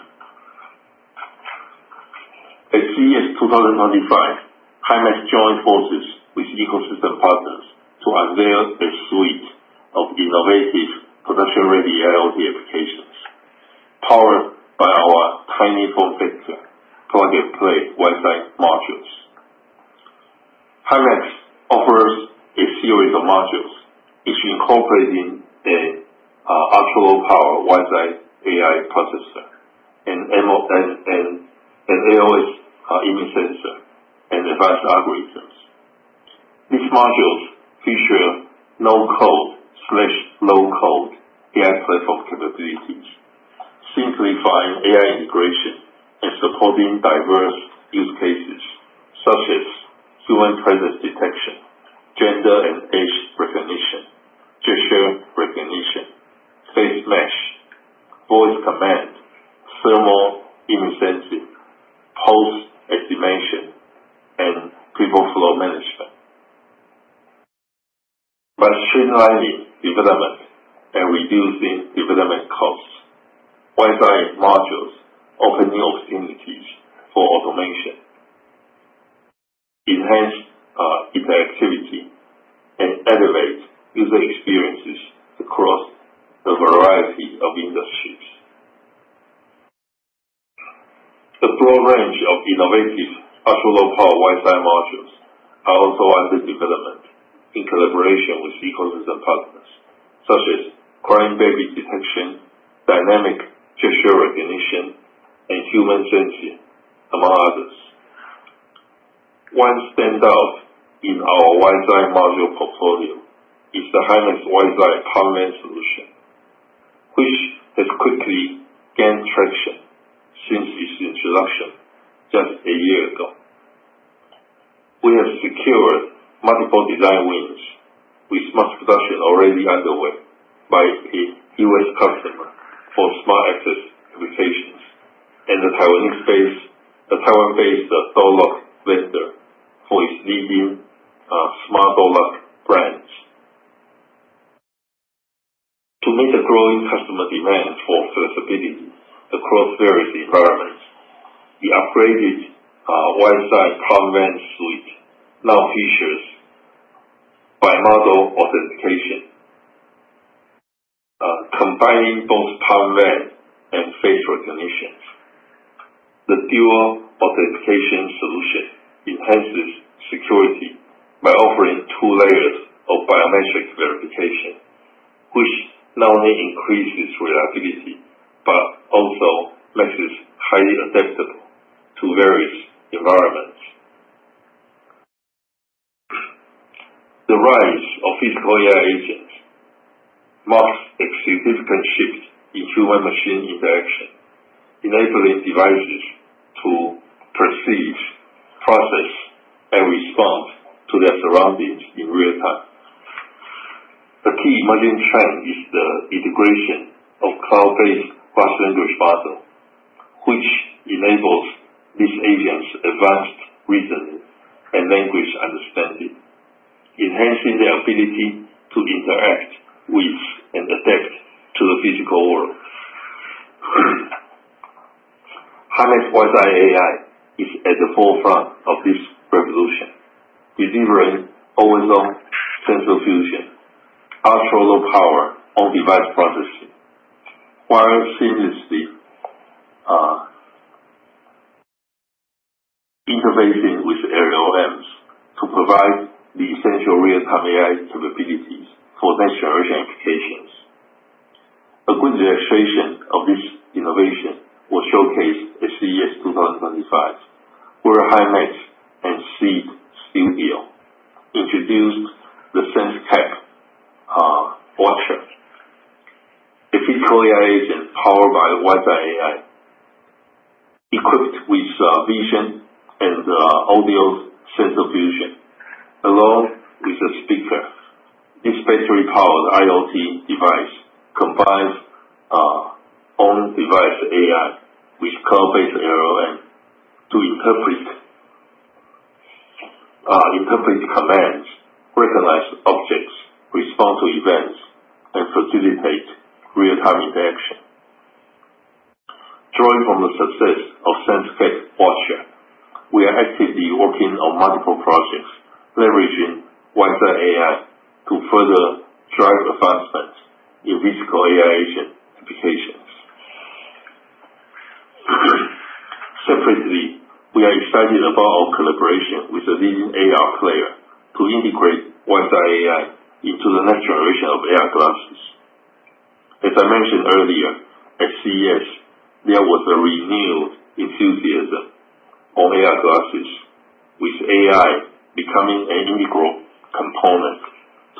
C: At CES 2025, Himax joined forces with ecosystem partners to unveil a suite of innovative production-ready AIoT applications powered by our tiny form factor plug-and-play WiseEye modules. Himax offers a series of modules which incorporate an ultra-low power WiseEye AI processor, a CMOS image sensor, and advanced algorithms. These modules feature no-code/low-code AI platform capabilities, simplifying AI integration and supporting diverse use cases such as human presence detection, gender and age recognition, gesture recognition, face mesh, voice command, thermal image sensing, pulse estimation, and people flow management. By streamlining development and reducing development costs, WiseEye modules open new opportunities for automation, enhance interactivity, and elevate user experiences across a variety of industries. The broad range of innovative ultra-low power WiseEye modules are also under development in collaboration with ecosystem partners, such as crying baby detection, dynamic gesture recognition, and human sensing, among others. One standout in our WiseEye module portfolio is the Himax WiseEye PalmVein solution, which has quickly gained traction since its introduction just a year ago. We have secured multiple design wins with mass production already underway by a U.S. customer for smart access applications and the Taiwan-based door lock vendor for its leading smart door lock brands. To meet the growing customer demand for flexibility across various environments, the upgraded WiseEye PalmVein suite now features biometric authentication, combining both palm vein and face recognition. The dual authentication solution enhances security by offering two layers of biometric verification, which not only increases reliability but also makes it highly adaptable to various environments. The rise of physical AI agents marks a significant shift in human-machine interaction, enabling devices to perceive, process, and respond to their surroundings in real time. A key emerging trend is the integration of cloud-based large language models, which enables these agents advanced reasoning and language understanding, enhancing their ability to interact with and adapt to the physical world. Himax WiseEye AI is at the forefront of this revolution, delivering always-on sensor fusion, ultra-low power on-device processing, while seamlessly interfacing with LLMs to provide the essential real-time AI capabilities for next-generation applications. A good illustration of this innovation was showcased at CES 2025, where Himax and Seeed Studio introduced the SenseCAP Watcher, a physical AI agent powered by WiseEye AI, equipped with vision and audio sensor fusion, along with a speaker. This battery-powered IoT device combines on-device AI with cloud-based LLM to interpret commands, recognize objects, respond to events, and facilitate real-time interaction. Drawing from the success of SenseCAP Watcher, we are actively working on multiple projects leveraging WiseEye AI to further drive advancements in physical AI agent applications. Separately, we are excited about our collaboration with a leading AR player to integrate WiseEye AI into the next generation of AR glasses. As I mentioned earlier, at CES, there was a renewed enthusiasm on AR glasses, with AI becoming an integral component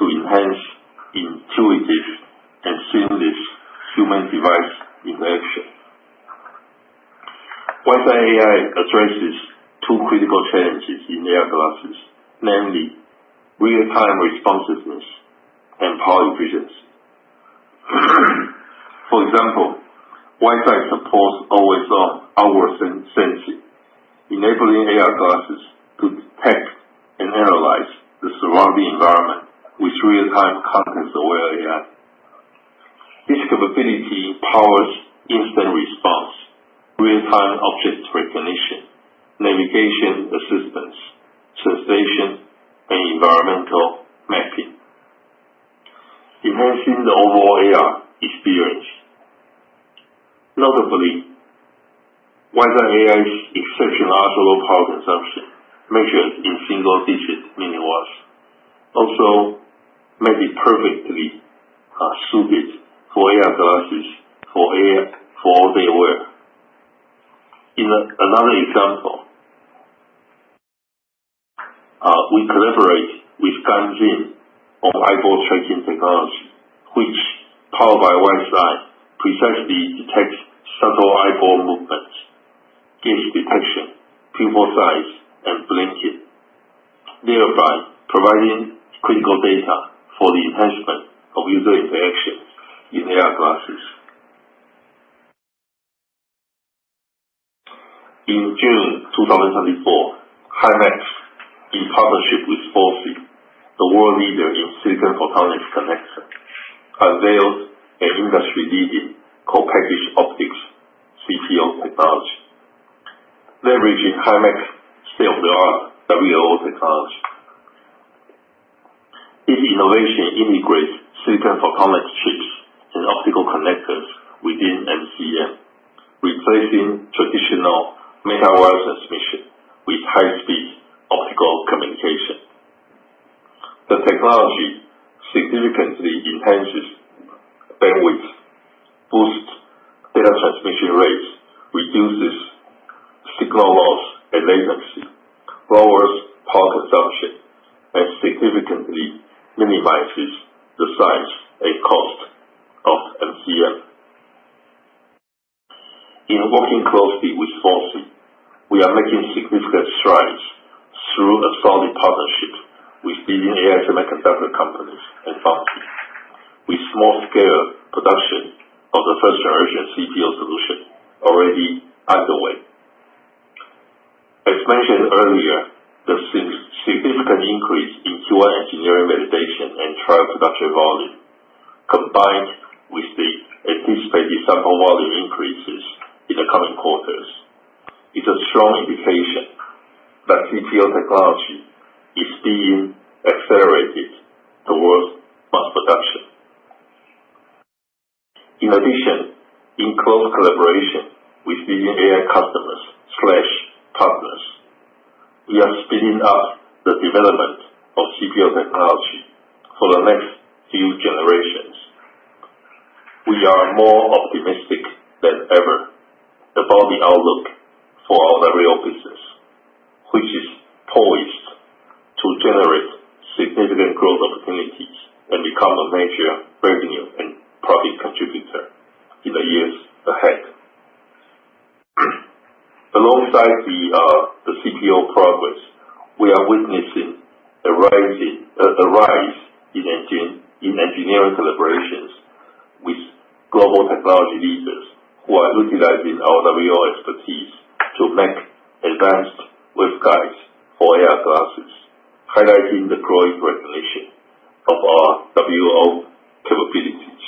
C: to enhance intuitive and seamless human-device interaction. WiseEye AI addresses two critical challenges in AR glasses, namely real-time responsiveness and power efficiency. For example, WiseEye supports always-on power sensing, enabling AR glasses to detect and analyze the surrounding environment with real-time context-aware AI. This capability powers instant response, real-time object recognition, navigation assistance, sensation, and environmental mapping, enhancing the overall AR experience. Notably, WiseEye AI's exceptional ultra-low power consumption measured in single-digit milliwatts also made it perfectly suited for AR glasses for all day wear. In another example, we collaborate with Ganzin on eyeball tracking technology, which, powered by WiseEye, precisely detects subtle eyeball movements, gaze detection, pupil size, and blinking, thereby providing critical data for the enhancement of user interactions in AR glasses. In June 2024, Himax, in partnership with FOCI, the world leader in silicon photonics connector, unveiled an industry-leading co-packaged optics CPO technology, leveraging Himax's state-of-the-art WLO technology. This innovation integrates silicon photonic chips and optical connectors within MCM, replacing traditional metal wire transmission with high-speed optical communication. The technology significantly enhances bandwidth, boosts data transmission rates, reduces signal loss and latency, lowers power consumption, and significantly minimizes the size and cost of MCM. In working closely with FOCI, we are making significant strides through a solid partnership with leading AI semiconductor companies and partners, with small-scale production of the first-generation CPO solution already underway. As mentioned earlier, the significant increase in our engineering validation and trial production volume, combined with the anticipated sample volume increases in the coming quarters, is a strong indication that CPO technology is being accelerated toward mass production. In addition, in close collaboration with leading AI customers/partners, we are speeding up the development of CPO technology for the next few generations. We are more optimistic than ever about the outlook for our CPO business, which is poised to generate significant growth opportunities and become a major revenue and profit contributor in the years ahead. Alongside the CPO progress, we are witnessing a rise in engineering collaborations with global technology leaders who are utilizing our WLO expertise to make advanced waveguides for AR glasses, highlighting the growing recognition of our WLO capabilities.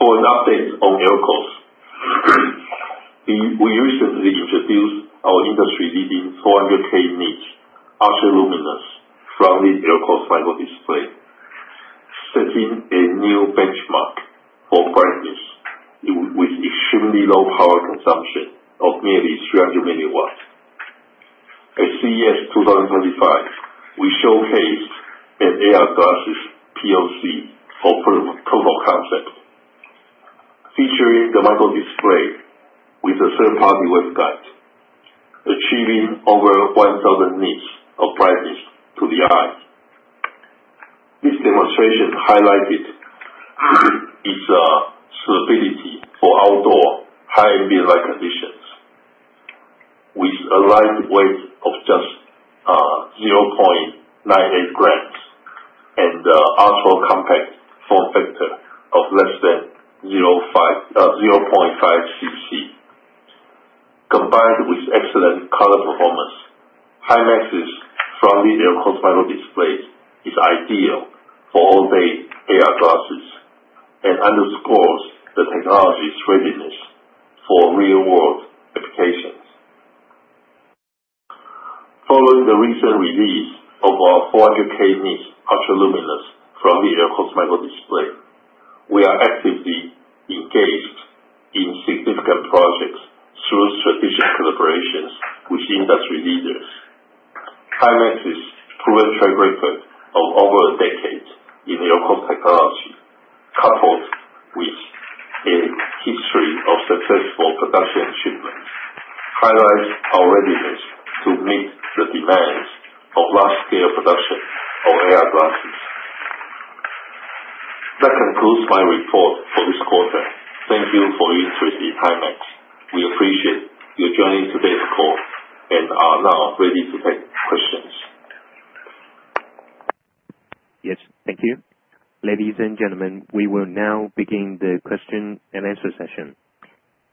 C: For an update on LCoS, we recently introduced our industry-leading 400K nits ultra-luminous Front-lit LCoS Microdisplay, setting a new benchmark for brightness with extremely low power consumption of nearly 300 mW. At CES 2025, we showcased an AR glasses POC or proof of concept featuring the LCoS Microdisplay with a third-party waveguide, achieving over 1,000 nits of brightness to the eye. This demonstration highlighted its suitability for outdoor high ambient light conditions with a light weight of just 0.98 g and an ultra-compact form factor of less than 0.5 cc. Combined with excellent color performance, Himax's Front-lit LCoS Microdisplay is ideal for all-day AR glasses and underscores the technology's readiness for real-world applications. Following the recent release of our 400K nits ultra-luminous Front-lit LCoS Microdisplay, we are actively engaged in significant projects through strategic collaborations with industry leaders. Himax's proven track record of over a decade in LCoS technology, coupled with a history of successful production achievements, highlights our readiness to meet the demands of large-scale production of AR glasses. That concludes my report for this quarter. Thank you for your interest in Himax. We appreciate your joining today's call and are now ready to take questions.
A: Yes, thank you. Ladies and gentlemen, we will now begin the question and answer session.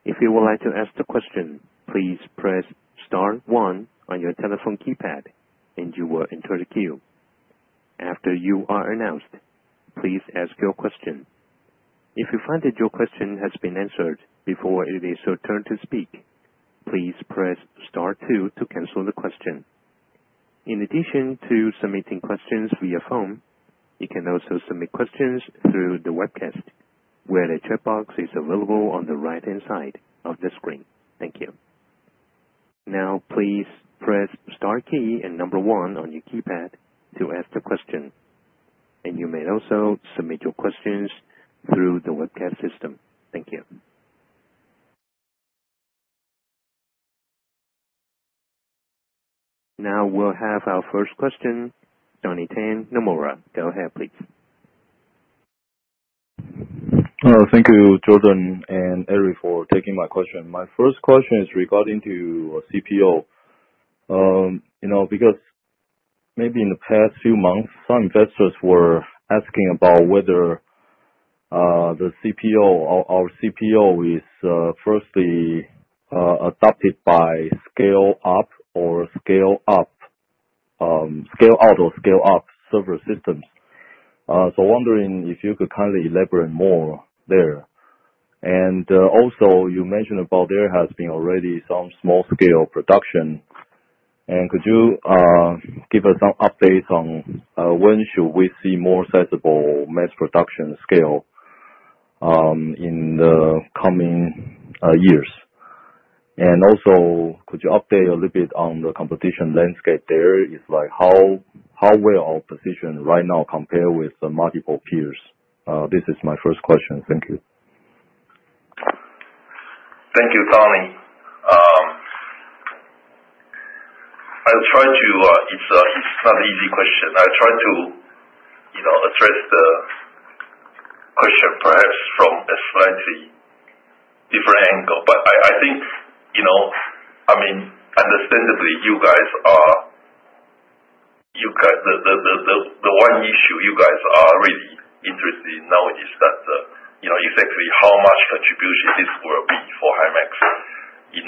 A: If you would like to ask the question, please press star one on your telephone keypad, and you will enter the queue. After you are announced, please ask your question. If you find that your question has been answered before it is your turn to speak, please press star two to cancel the question. In addition to submitting questions via phone, you can also submit questions through the webcast, where the chat box is available on the right-hand side of the screen. Thank you. Now, please press star key and number one on your keypad to ask the question, and you may also submit your questions through the webcast system. Thank you. Now, we'll have our first question. Donnie Teng, Nomura, go ahead, please.
D: Thank you, Jordan and Eric, for taking my question. My first question is regarding to CPO. Because maybe in the past few months, some investors were asking about whether the CPO, our CPO, is firstly adopted by scale-out or scale-up server systems. So wondering if you could kindly elaborate more there. And also, you mentioned about there has been already some small-scale production. And could you give us some updates on when should we see more sizable mass production scale in the coming years? And also, could you update a little bit on the competition landscape there? It's like how well are positioned right now compared with multiple peers? This is my first question. Thank you.
C: Thank you, Donnie. I'll try to. It's not an easy question. I'll try to address the question perhaps from a slightly different angle. But I think, I mean, understandably, you guys are. The one issue you guys are really interested in knowing is that exactly how much contribution this will be for Himax in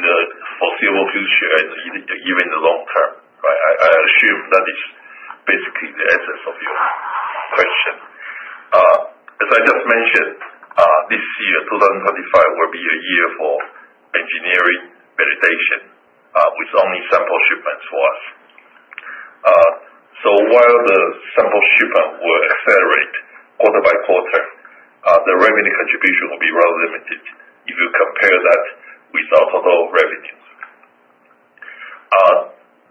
C: the foreseeable future and even the long term, right? I assume that is basically the essence of your question. As I just mentioned, this year, 2025, will be a year for engineering validation with only sample shipments for us. So while the sample shipments will accelerate quarter by quarter, the revenue contribution will be rather limited if you compare that with our total revenues.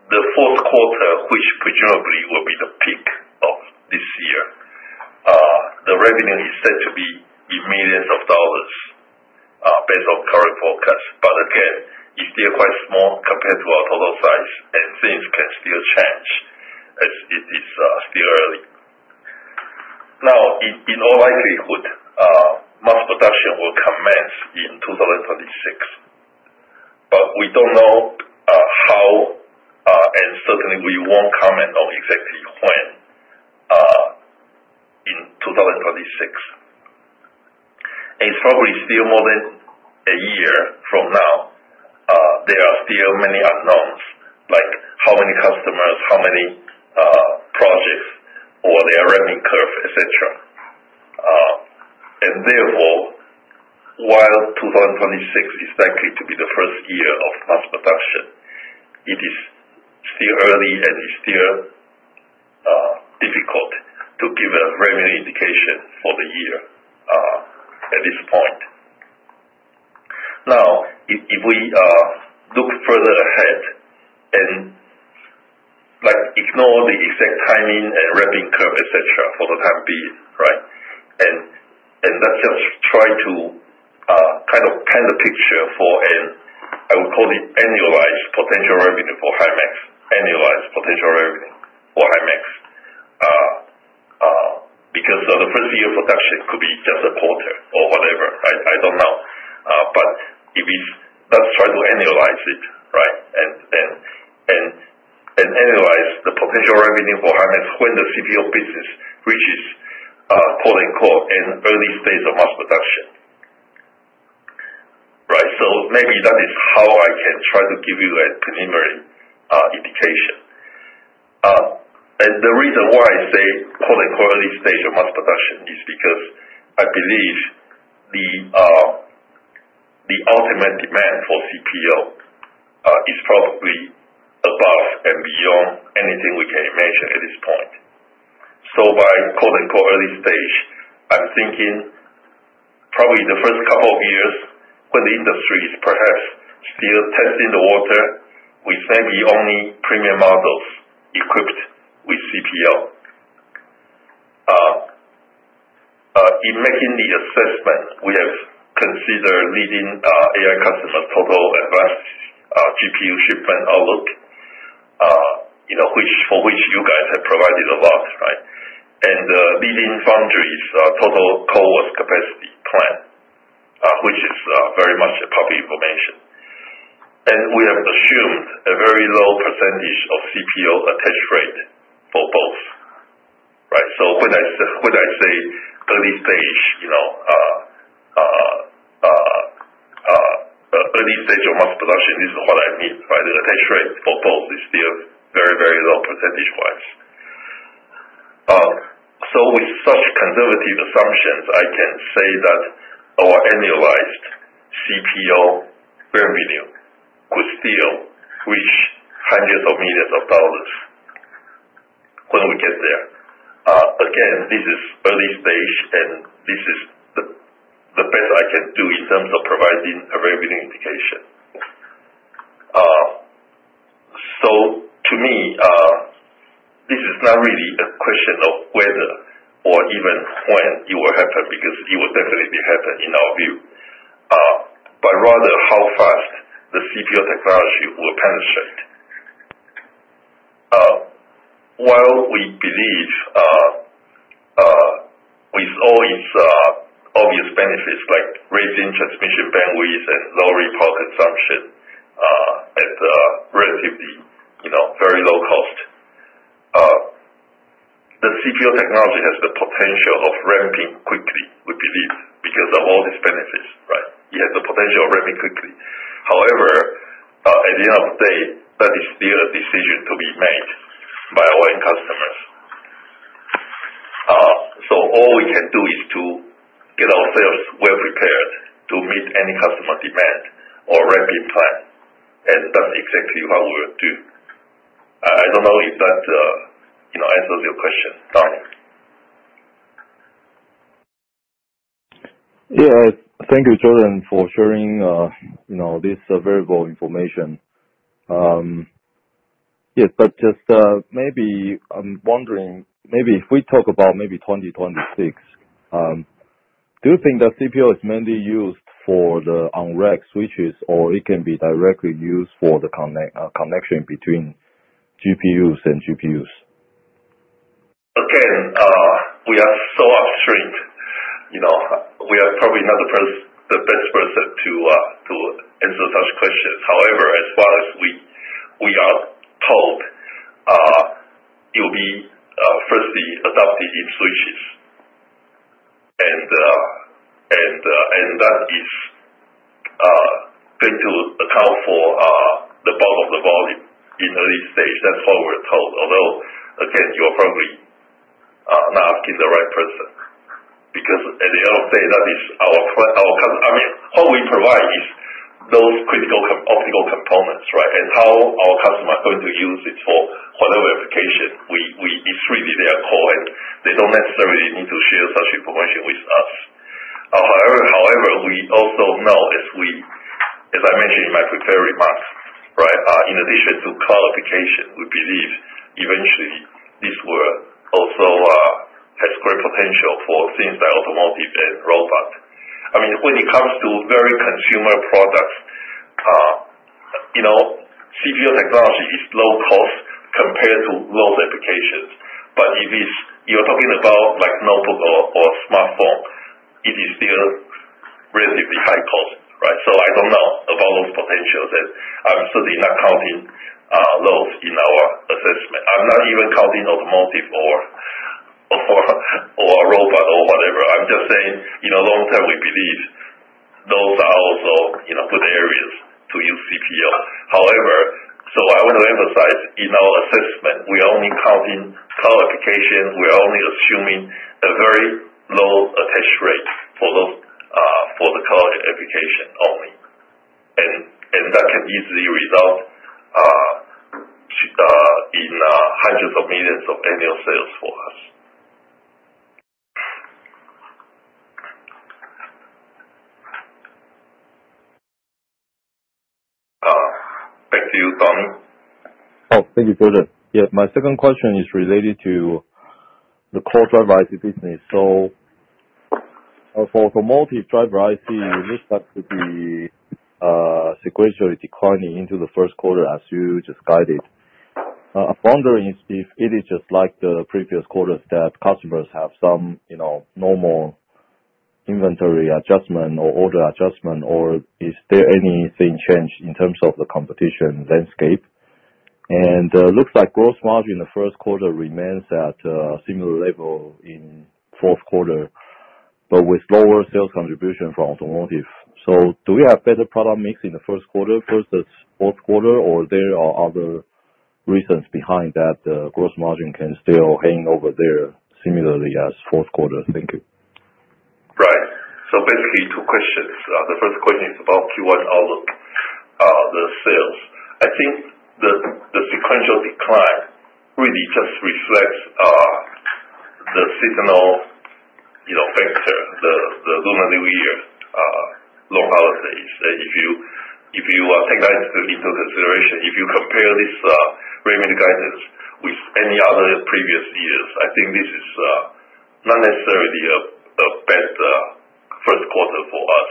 C: The fourth quarter, which presumably will be the peak of this year, the revenue is said to be in millions of dollars based on current forecasts, but again, it's still quite small compared to our total size, and things can still change as it is still early. Now, in all likelihood, mass production will commence in 2026, but we don't know how, and certainly, we won't come to know exactly when in 2026, and it's probably still more than a year from now. There are still many unknowns, like how many customers, how many projects, or their revenue curve, etc. And therefore, while 2026 is likely to be the first year of mass production, it is still early, and it's still difficult to give a revenue indication for the year at this point. Now, if we look further ahead and ignore the exact timing and revenue curve, etc., for the time being, right? And let's just try to kind of paint a picture for an, I would call it, annualized potential revenue for Himax, annualized potential revenue for Himax, because the first year of production could be just a quarter or whatever. I don't know. But let's try to annualize it, right? And annualize the potential revenue for Himax when the CPO business reaches, quote-unquote, "an early stage of mass production," right? So maybe that is how I can try to give you a preliminary indication. And the reason why I say, quote-unquote, "early stage of mass production" is because I believe the ultimate demand for CPO is probably above and beyond anything we can imagine at this point. So by, quote-unquote, "early stage," I'm thinking probably the first couple of years when the industry is perhaps still testing the water with maybe only premium models equipped with CPO. In making the assessment, we have considered leading AI customers' total advanced GPU shipment outlook, for which you guys have provided a lot, right? And leading foundry's total co-pack capacity plan, which is very much a public information. And we have assumed a very low percentage of CPO attach rate for both, right? So when I say early stage, early stage of mass production, this is what I mean, right? The attach rate for both is still very, very low percentage-wise. So with such conservative assumptions, I can say that our annualized CPO revenue could still reach hundreds of millions of dollars when we get there. Again, this is early stage, and this is the best I can do in terms of providing a revenue indication. So to me, this is not really a question of whether or even when it will happen because it will definitely happen in our view, but rather how fast the CPO technology will penetrate. While we believe with all its obvious benefits like raising transmission bandwidth and lowering power consumption at relatively very low cost, the CPO technology has the potential of ramping quickly, we believe, because of all these benefits, right? It has the potential of ramping quickly. However, at the end of the day, that is still a decision to be made by our end customers. So all we can do is to get ourselves well prepared to meet any customer demand or ramping plan. And that's exactly what we will do. I don't know if that answers your question, Donnie.
D: Yeah. Thank you, Jordan, for sharing this very important information. Yes, but just maybe I'm wondering, maybe if we talk about maybe 2026, do you think that CPO is mainly used for the on-rack switches or it can be directly used for the connection between GPUs and GPUs?
C: Again, we are so upstream. We are probably not the best person to answer such questions. However, as far as we are told, it will be firstly adopted in switches. And that is going to account for the bulk of the volume in early stage. That's what we're told. Although, again, you're probably not asking the right person because at the end of the day, that is our customer. I mean, what we provide is those critical optical components, right? And how our customer is going to use it for whatever application, it's really their call, and they don't necessarily need to share such information with us. However, we also know, as I mentioned in my prepared remarks, right, in addition to cloud application, we believe eventually this will also have great potential for things like automotive and robot. I mean, when it comes to very consumer products, CPO technology is low cost compared to those applications. But if you're talking about notebook or smartphone, it is still relatively high cost, right? So I don't know about those potentials, and I'm certainly not counting those in our assessment. I'm not even counting automotive or robot or whatever. I'm just saying long term, we believe those are also good areas to use CPO. However, so I want to emphasize in our assessment, we are only counting cloud application. We are only assuming a very low attach rate for the cloud application only. And that can easily result in hundreds of millions of annual sales for us. Back to you, Donnie. Oh, thank you, Jordan. Yeah, my second question is related to the core driver IC business. So for automotive driver IC, it looks like to be sequentially declining into the first quarter, as you just guided. I'm wondering if it is just like the previous quarters that customers have some normal inventory adjustment or order adjustment, or is there anything changed in terms of the competition landscape? It looks like gross margin in the first quarter remains at a similar level in fourth quarter, but with lower sales contribution for automotive. So do we have better product mix in the first quarter versus fourth quarter, or there are other reasons behind that the gross margin can still hang over there similarly as fourth quarter? Thank you. Right. So basically, two questions. The first question is about Q1 outlook, the sales. I think the sequential decline really just reflects the seasonal factor, the Lunar New Year long holidays. If you take that into consideration, if you compare this revenue guidance with any other previous years, I think this is not necessarily a bad first quarter for us.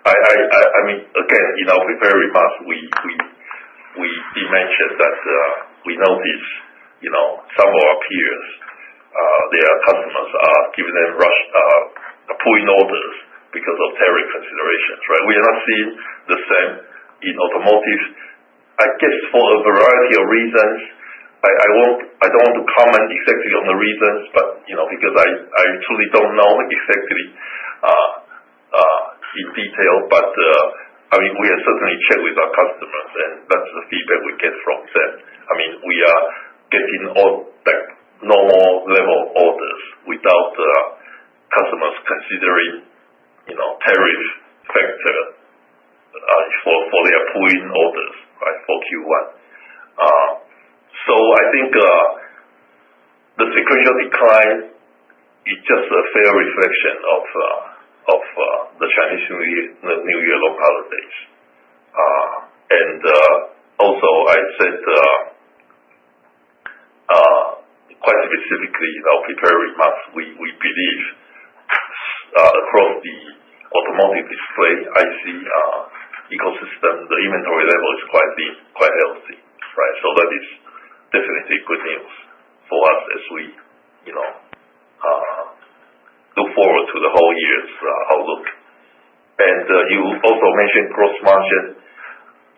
C: I mean, again, in our prepared remarks, we mentioned that we noticed some of our peers, their customers are giving them rush pull-in orders because of tariff considerations, right? We are not seeing the same in automotive. I guess for a variety of reasons. I don't want to comment exactly on the reasons, but because I truly don't know exactly in detail, but I mean, we have certainly checked with our customers, and that's the feedback we get from them. I mean, we are getting normal level orders without customers considering tariff factor for their pull-in orders, right, for Q1, so I think the sequential decline is just a fair reflection of the Chinese New Year long holidays, and also, I said quite specifically in our prepared remarks, we believe across the automotive display IC ecosystem, the inventory level is quite healthy, right? That is definitely good news for us as we look forward to the whole year's outlook, and you also mentioned gross margin.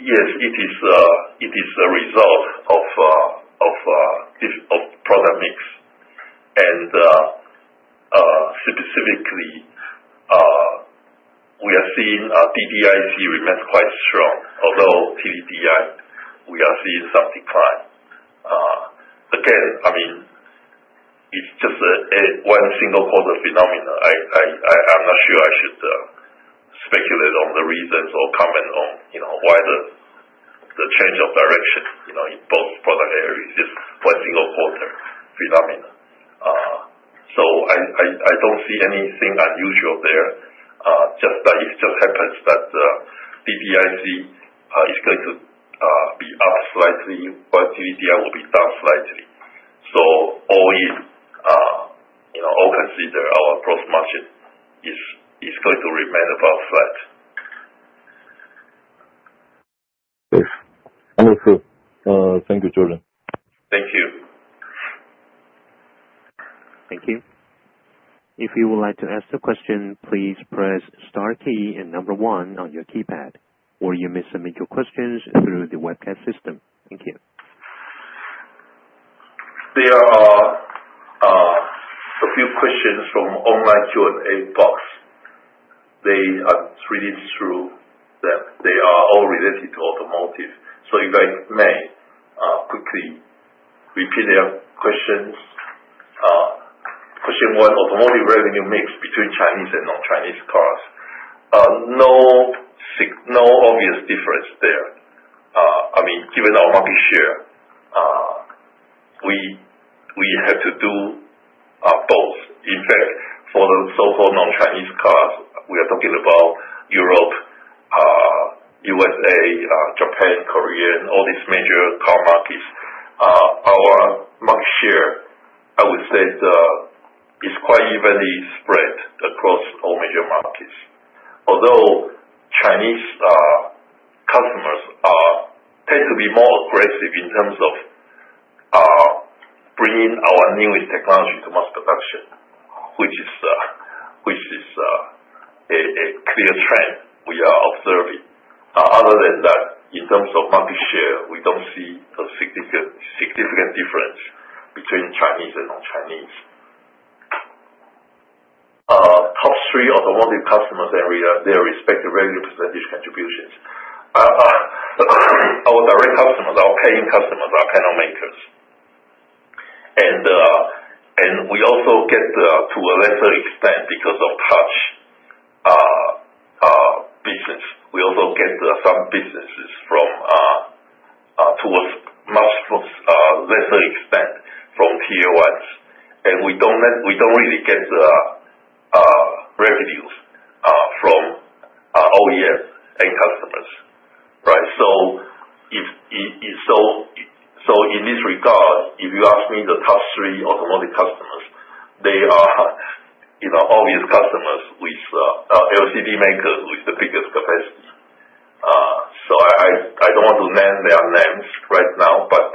C: Yes, it is a result of product mix. And specifically, we are seeing DDIC remain quite strong, although TDDI, we are seeing some decline. Again, I mean, it's just one single quarter phenomenon. I'm not sure I should speculate on the reasons or comment on why the change of direction in both product areas is one single quarter phenomenon. So I don't see anything unusual there. It just happens that DDIC is going to be up slightly, while TDDI will be down slightly. So all in, all considered, our gross margin is going to remain about flat.
D: Yes. Understood. Thank you, Jordan.
C: Thank you.
A: Thank you. If you would like to ask a question, please press star key and number one on your keypad, or you may submit your questions through the webcast system. Thank you.
C: There are a few questions from online Q&A box. They are reading through them. They are all related to automotive. So you guys may quickly repeat their questions. Question one, automotive revenue mix between Chinese and non-Chinese cars. No obvious difference there. I mean, given our market share, we have to do both. In fact, for the so-called non-Chinese cars, we are talking about Europe, U.S.A., Japan, Korea, and all these major car markets. Our market share, I would say, is quite evenly spread across all major markets. Although Chinese customers tend to be more aggressive in terms of bringing our newest technology to mass production, which is a clear trend we are observing. Other than that, in terms of market share, we don't see a significant difference between Chinese and non-Chinese. Top three automotive customers and their respective revenue percentage contributions. Our direct customers, our paying customers, are panel makers. And we also get to a lesser extent because of touch business. We also get some businesses to a much lesser extent from Tier 1s. And we don't really get revenues from OEM end customers, right? So in this regard, if you ask me the top three automotive customers, they are obvious customers with LCD makers with the biggest capacity. So I don't want to name their names right now, but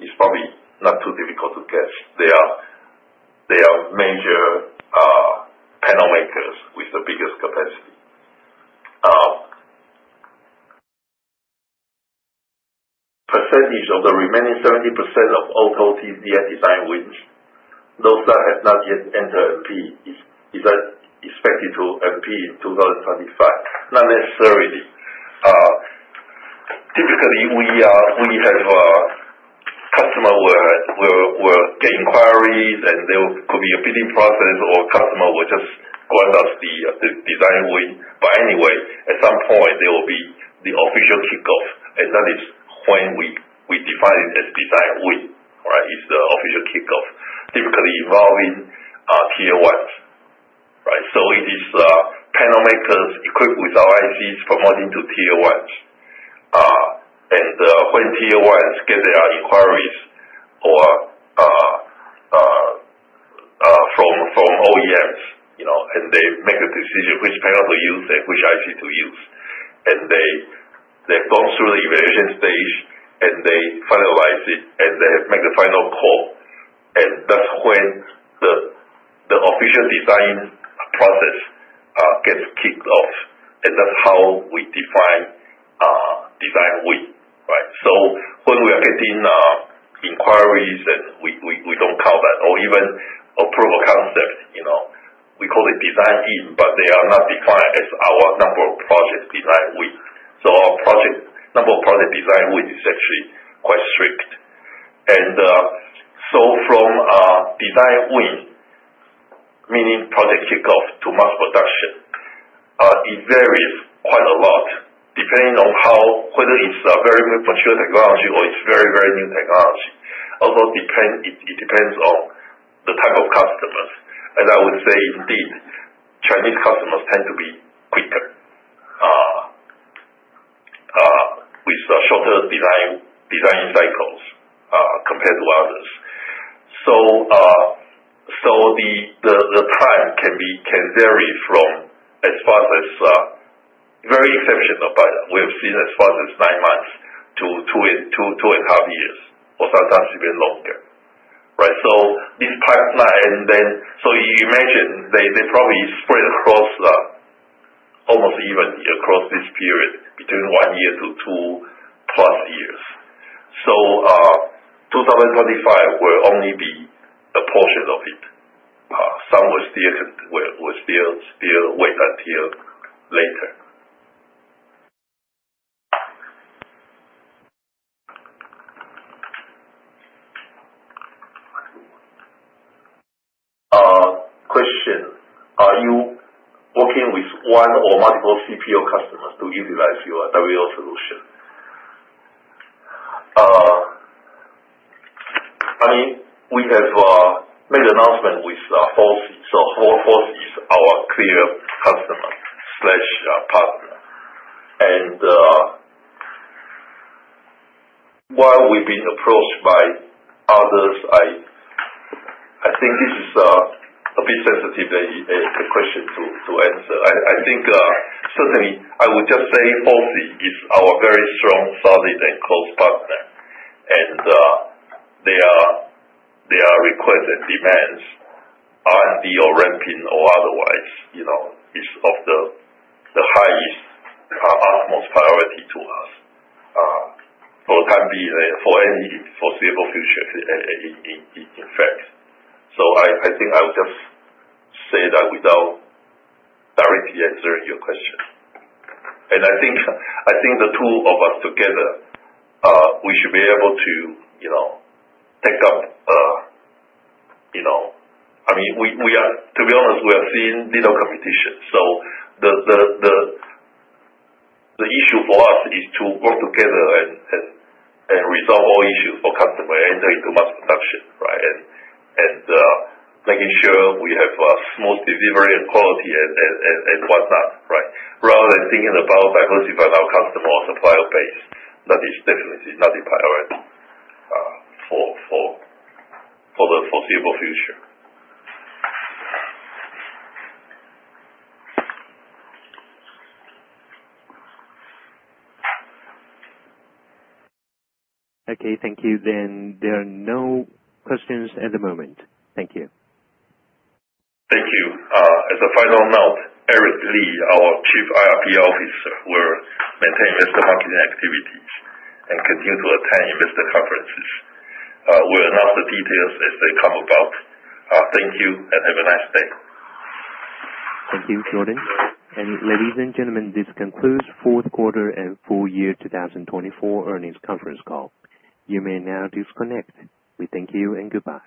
C: it's probably not too difficult to guess. They are major panel makers with the biggest capacity. What percentage of the remaining 70% of auto TDDI design wins, those that have not yet entered MP, is that expected to MP in 2025? Not necessarily. Typically, customers will get inquiries, and there could be a bidding process, or customers will just grant us the design win. But anyway, at some point, there will be the official kickoff. And that is when we define it as design win, right? It's the official kickoff, typically involving Tier 1s, right? So it is panel makers equipped with our ICs promoting to Tier 1s. And when Tier 1s get their inquiries from OEMs, and they make a decision which panel to use and which IC to use. And they've gone through the evaluation stage, and they finalize it, and they make the final call. And that's when the official design process gets kicked off. And that's how we define design win, right? So when we are getting inquiries, and we don't count that, or even a proof of concept, we call it design win, but they are not defined as our number of project design win. So our number of project design win is actually quite strict. From design win, meaning project kickoff to mass production, it varies quite a lot depending on whether it is a very mature technology or it is very, very new technology. Also, it depends on the type of customers. And I would say, indeed, Chinese customers tend to be quicker with shorter design cycles compared to others. So the time can vary from as fast as very exceptional, but we have seen as fast as nine months to two and a half years, or sometimes even longer, right? So this pipeline, and then so you imagine they probably spread across almost even across this period between one year to two plus years. So 2025 will only be a portion of it. Some will still wait until later. Question. Are you working with one or multiple CPO customers to utilize your WLO solution? I mean, we have made an announcement with FOCI. FOCI is our clear customer/partner. And while we've been approached by others, I think this is a bit sensitive question to answer. I think certainly I would just say FOCI is our very strong, solid, and close partner. And their requests and demands, R&D or ramping or otherwise, is of the highest, utmost priority to us for the time being, for stable future, in fact. So I think I'll just say that without directly answering your question. And I think the two of us together, we should be able to take up. I mean, to be honest, we are seeing little competition. So the issue for us is to work together and resolve all issues for customer and enter into mass production, right? And making sure we have smooth delivery and quality and whatnot, right? Rather than thinking about diversifying our customer or supplier base, that is definitely not the priority for the foreseeable future.
A: Okay. Thank you. Then there are no questions at the moment. Thank you.
C: Thank you. As a final note, Eric Li, our Chief IR and PR Officer, will maintain investor and marketing activities and continue to attend investor conferences. We'll announce the details as they come about. Thank you and have a nice day.
A: Thank you, Jordan. And ladies and gentlemen, this concludes fourth quarter and full year 2024 earnings conference call. You may now disconnect. We thank you and goodbye.